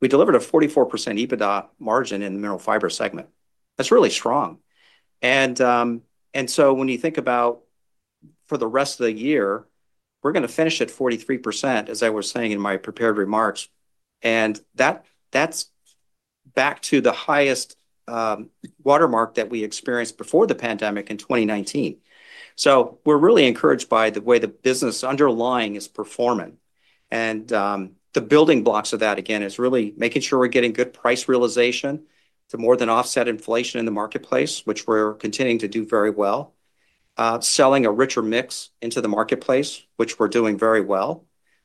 we delivered a 44% EBITDA margin in the Mineral Fiber segment. That's really strong. When you think about for the rest of the year, we're going to finish at 43%, as I was saying in my prepared remarks. That's back to the highest watermark that we experienced before the pandemic in 2019. We're really encouraged by the way the business underlying is performing. The building blocks of that, again, is really making sure we're getting good price realization to more than offset inflation in the marketplace, which we're continuing to do very well. Selling a richer mix into the marketplace, which we're doing very well.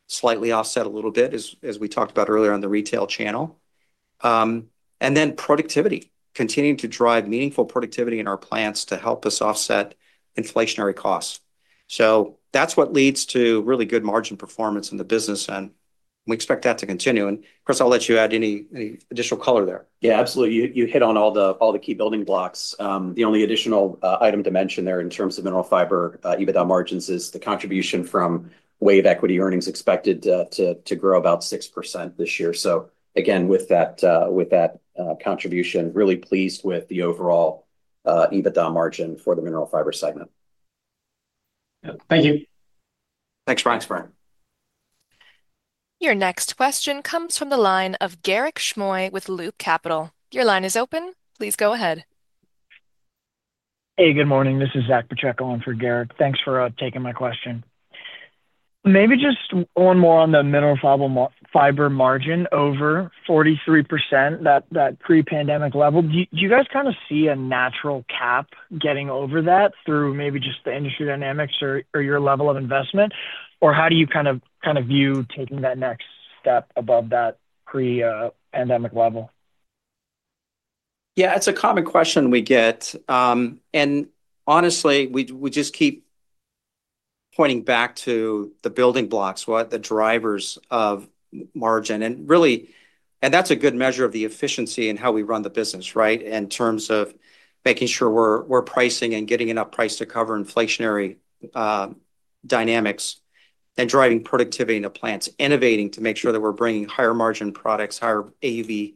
Slightly offset a little bit, as we talked about earlier on the retail channel. Productivity, continuing to drive meaningful productivity in our plants to help us offset inflationary costs. That's what leads to really good margin performance in the business, and we expect that to continue. Chris, I'll let you add any additional color there.
Yeah, absolutely. You hit on all the key building blocks. The only additional item to mention there in terms of Mineral Fiber EBITDA margins is the contribution from WAVE equity earnings expected to grow about 6% this year. With that contribution, really pleased with the overall EBITDA margin for the Mineral Fiber segment.
Thank you.
Thanks, Brian.
Your next question comes from the line of Garik Shmois with Loop Capital. Your line is open. Please go ahead.
Hey, good morning. This is Zack Pacheco on for Garik. Thanks for taking my question. Maybe just one more on the Mineral Fiber margin over 43%, that pre-pandemic level. Do you guys kind of see a natural cap getting over that through maybe just the industry dynamics or your level of investment? Or how do you kind of view taking that next step above that pre-pandemic level?
Yeah, it's a common question we get. Honestly, we just keep pointing back to the building blocks, what the drivers of margin. Really, that's a good measure of the efficiency and how we run the business, right? In terms of making sure we're pricing and getting enough price to cover inflationary dynamics and driving productivity in the plants, innovating to make sure that we're bringing higher margin products, higher AUV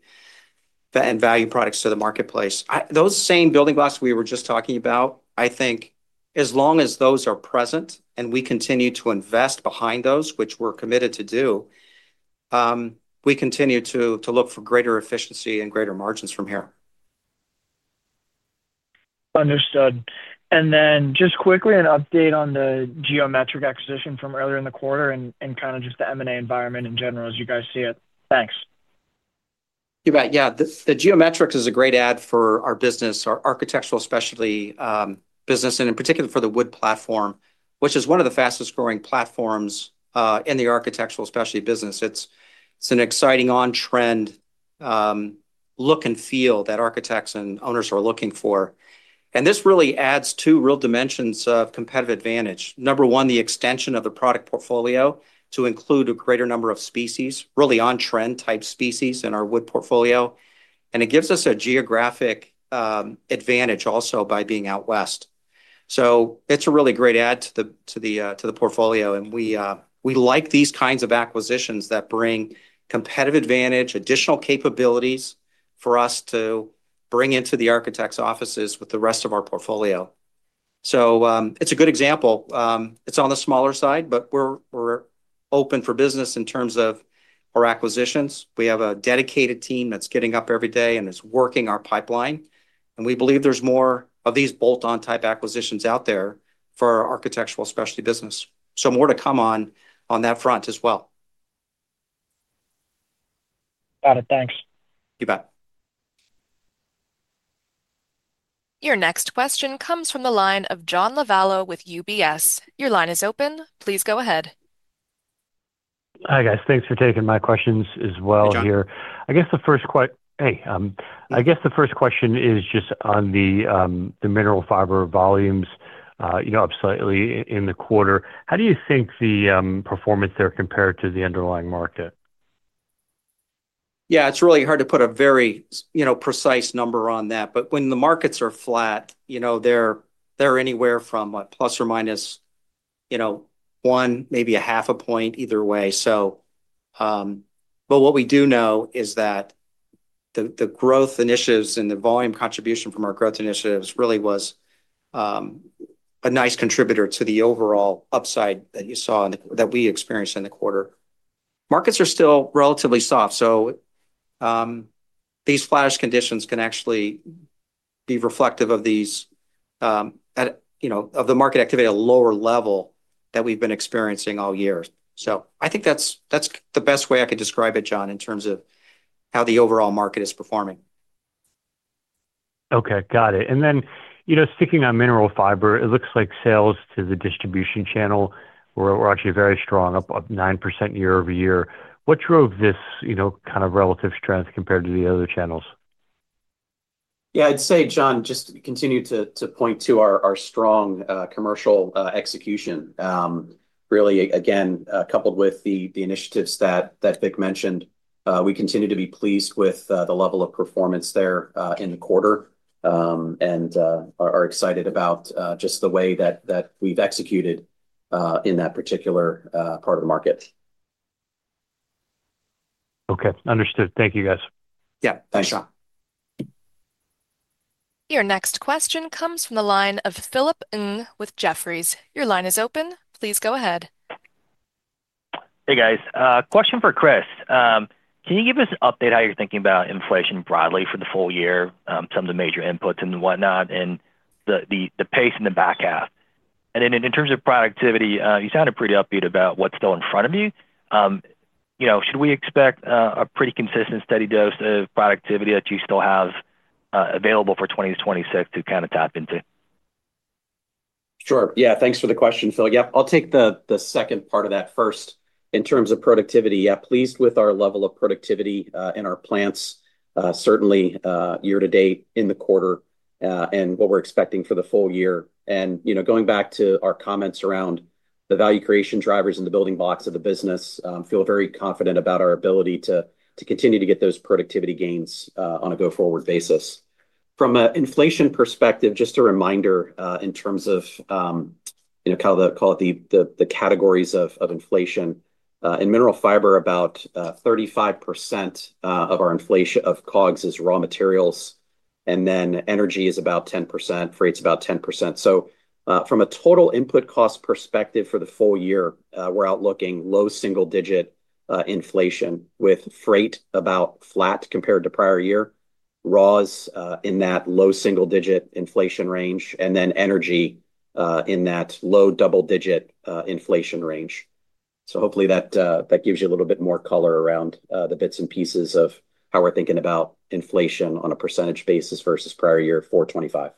and value products to the marketplace. Those same building blocks we were just talking about, I think as long as those are present and we continue to invest behind those, which we're committed to do, we continue to look for greater efficiency and greater margins from here.
Understood. Just quickly, an update on the Geometrik acquisition from earlier in the quarter and kind of just the M&A environment in general, as you guys see it. Thanks.
You bet. Yeah, Geometrik is a great add for our business, our Architectural Specialties business, and in particular for the wood platform, which is one of the fastest growing platforms in the Architectural Specialties business. It's an exciting on-trend look and feel that architects and owners are looking for. This really adds two real dimensions of competitive advantage. Number one, the extension of the product portfolio to include a greater number of species, really on-trend type species in our wood portfolio. It gives us a geographic advantage also by being out west. It's a really great add to the portfolio. We like these kinds of acquisitions that bring competitive advantage, additional capabilities for us to bring into the architects' offices with the rest of our portfolio. It's a good example. It's on the smaller side, but we're open for business in terms of our acquisitions. We have a dedicated team that's getting up every day and is working our pipeline. We believe there's more of these bolt-on type acquisitions out there for our Architectural Specialties business. More to come on that front as well.
Got it. Thanks.
You bet.
Your next question comes from the line of John Lovallo with UBS. Your line is open. Please go ahead.
Hi guys, thanks for taking my questions as well here. I guess the first question is just on the Mineral Fiber volumes, you know, up slightly in the quarter. How do you think the performance there compared to the underlying market?
Yeah, it's really hard to put a very, you know, precise number on that. When the markets are flat, they're anywhere from a ±1 maybe a half a point either way. What we do know is that the growth initiatives and the volume contribution from our growth initiatives really was a nice contributor to the overall upside that you saw in the, that we experienced in the quarter. Markets are still relatively soft. These flattish conditions can actually be reflective of the market activity at a lower level that we've been experiencing all year. I think that's the best way I could describe it, John, in terms of how the overall market is performing.
Okay, got it. You know, sticking on Mineral Fiber, it looks like sales to the distribution channel were actually very strong, up 9% year-over-year. What drove this kind of relative strength compared to the other channels?
Yeah, I'd say, John, just continue to point to our strong commercial execution. Really, again, coupled with the initiatives that Vic mentioned, we continue to be pleased with the level of performance there in the quarter and are excited about just the way that we've executed in that particular part of the market.
Okay, understood. Thank you, guys.
Yeah, thanks, John.
Your next question comes from the line of Philip Ng with Jefferies. Your line is open. Please go ahead.
Hey, guys. Question for Chris. Can you give us an update on how you're thinking about inflation broadly for the full year, some of the major inputs and whatnot, and the pace in the back half? In terms of productivity, you sounded pretty upbeat about what's still in front of you. Should we expect a pretty consistent steady dose of productivity that you still have available for 2026 to kind of tap into?
Sure. Yeah, thanks for the question, Philip. I'll take the second part of that first. In terms of productivity, pleased with our level of productivity in our plants, certainly year-to-date in the quarter and what we're expecting for the full year. Going back to our comments around the value creation drivers and the building blocks of the business, I feel very confident about our ability to continue to get those productivity gains on a go-forward basis. From an inflation perspective, just a reminder in terms of the categories of inflation. In Mineral Fiber, about 35% of our inflation of COGS is raw materials, and then energy is about 10%, freight's about 10%. From a total input cost perspective for the full year, we're outlooking low single-digit inflation with freight about flat compared to prior year, raws in that low single-digit inflation range, and then energy in that low double-digit inflation range. Hopefully that gives you a little bit more color around the bits and pieces of how we're thinking about inflation on a percentage basis versus prior year 4.25.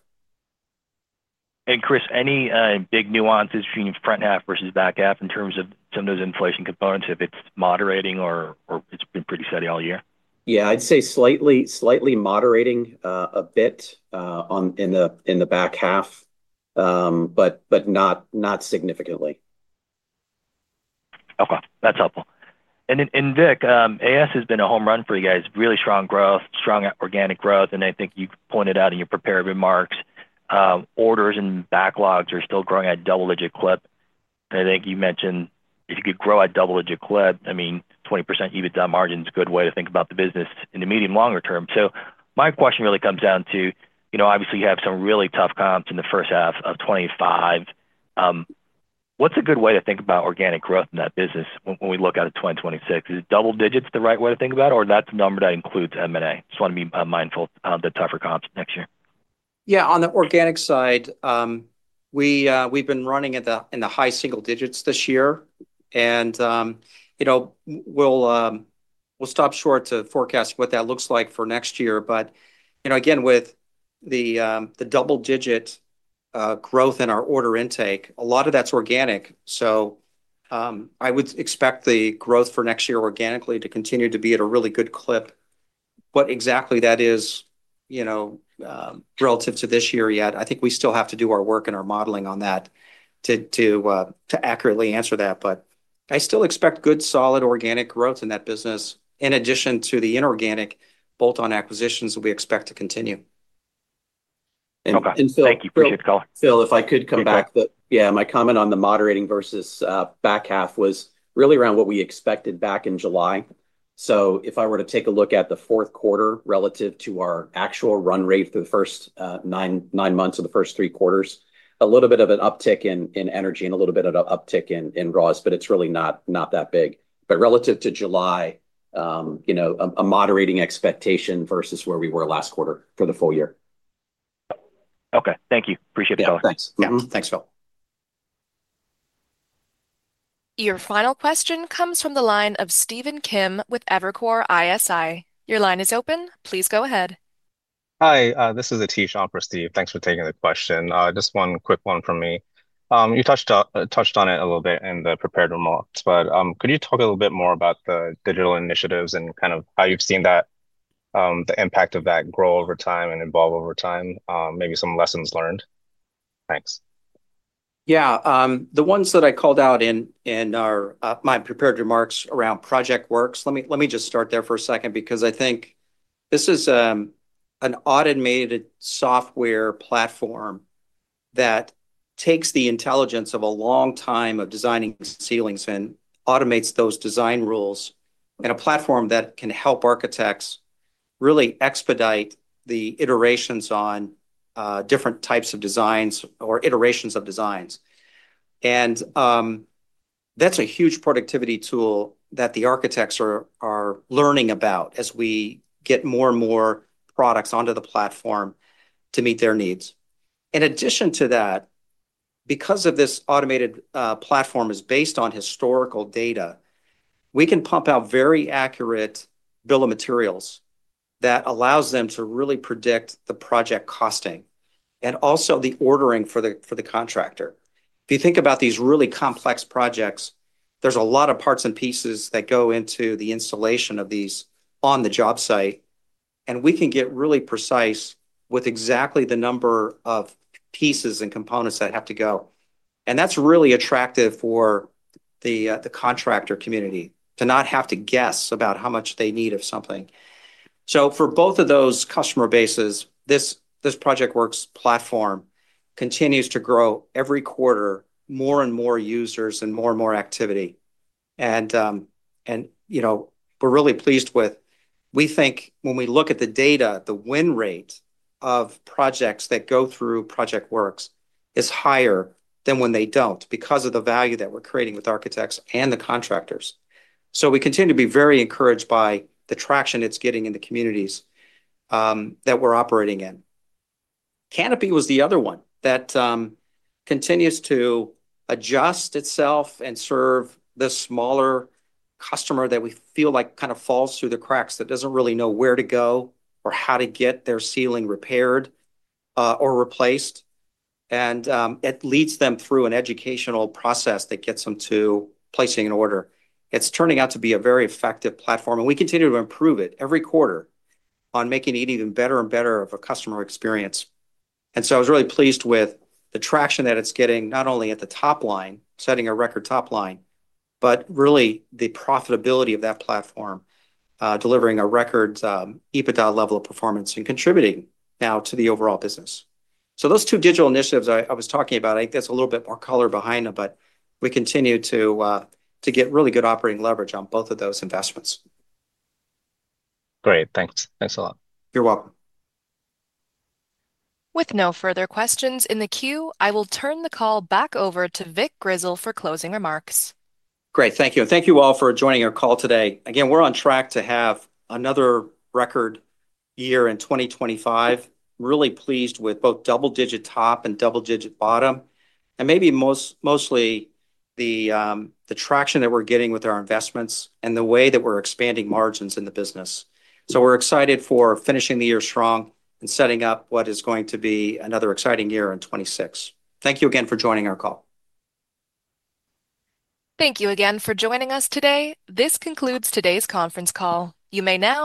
Chris, any big nuances between front half versus back half in terms of some of those inflation components, if it's moderating or it's been pretty steady all year?
Yeah, I'd say slightly moderating a bit in the back half, but not significantly.
Okay, that's helpful. Vic, Architectural Specialties has been a home run for you guys, really strong growth, strong organic growth, and I think you pointed out in your prepared remarks, orders and backlogs are still growing at a double-digit clip. I think you mentioned if you could grow at a double-digit clip, 20% EBITDA margin is a good way to think about the business in the medium-longer term. My question really comes down to, obviously you have some really tough comps in the first half of 2025. What's a good way to think about organic growth in that business when we look at it in 2026? Is double digits the right way to think about it, or is that a number that includes M&A? I just want to be mindful of the tougher comps next year.
Yeah, on the organic side, we've been running in the high single digits this year, and we'll stop short to forecast what that looks like for next year. With the double-digit growth in our order intake, a lot of that's organic. I would expect the growth for next year organically to continue to be at a really good clip. What exactly that is, relative to this year, I think we still have to do our work and our modeling on that to accurately answer that. I still expect good solid organic growth in that business in addition to the inorganic bolt-on acquisitions that we expect to continue.
Okay, thank you.
Phil, if I could come back, my comment on the moderating versus back half was really around what we expected back in July. If I were to take a look at the fourth quarter relative to our actual run rate for the first nine months of the first three quarters, a little bit of an uptick in energy and a little bit of an uptick in raws, it's really not that big. Relative to July, a moderating expectation versus where we were last quarter for the full year.
Okay, thank you. Appreciate the color.
Yeah, thanks, Phil.
Your final question comes from the line of Stephen Kim with Evercore ISI. Your line is open. Please go ahead.
Hi, this is Aatish Shah for Steve. Thanks for taking the question. Just one quick one from me. You touched on it a little bit in the prepared remarks, but could you talk a little bit more about the digital initiatives and kind of how you've seen the impact of that grow over time and evolve over time, maybe some lessons learned? Thanks.
Yeah, the ones that I called out in my prepared remarks around PROJECTWORKS. Let me just start there for a second because I think this is an automated software platform that takes the intelligence of a long time of designing ceilings and automates those design rules in a platform that can help architects really expedite the iterations on different types of designs or iterations of designs. That's a huge productivity tool that the architects are learning about as we get more and more products onto the platform to meet their needs. In addition to that, because this automated platform is based on historical data, we can pump out very accurate bill of materials that allow them to really predict the project costing and also the ordering for the contractor. If you think about these really complex projects, there's a lot of parts and pieces that go into the installation of these on the job site, and we can get really precise with exactly the number of pieces and components that have to go. That's really attractive for the contractor community to not have to guess about how much they need of something. For both of those customer bases, this PROJECTWORKS platform continues to grow every quarter, more and more users and more and more activity. We're really pleased with, we think when we look at the data, the win rate of projects that go through PROJECTWORKS is higher than when they don't because of the value that we're creating with architects and the contractors. We continue to be very encouraged by the traction it's getting in the communities that we're operating in. Kanopi was the other one that continues to adjust itself and serve the smaller customer that we feel like kind of falls through the cracks, that doesn't really know where to go or how to get their ceiling repaired or replaced. It leads them through an educational process that gets them to placing an order. It's turning out to be a very effective platform, and we continue to improve it every quarter on making it even better and better of a customer experience. I was really pleased with the traction that it's getting, not only at the top line, setting a record top line, but really the profitability of that platform, delivering a record EBITDA level of performance and contributing now to the overall business. Those two digital initiatives I was talking about, I think that's a little bit more color behind them, but we continue to get really good operating leverage on both of those investments.
Great, thanks. Thanks a lot.
You're welcome.
With no further questions in the queue, I will turn the call back over to Vic Grizzle for closing remarks.
Great, thank you. Thank you all for joining our call today. Again, we're on track to have another round. Record year in 2025, really pleased with both double-digit top and double-digit bottom, and maybe mostly the traction that we're getting with our investments and the way that we're expanding margins in the business. We are excited for finishing the year strong and setting up what is going to be another exciting year in 2026. Thank you again for joining our call.
Thank you again for joining us today. This concludes today's conference call. You may now.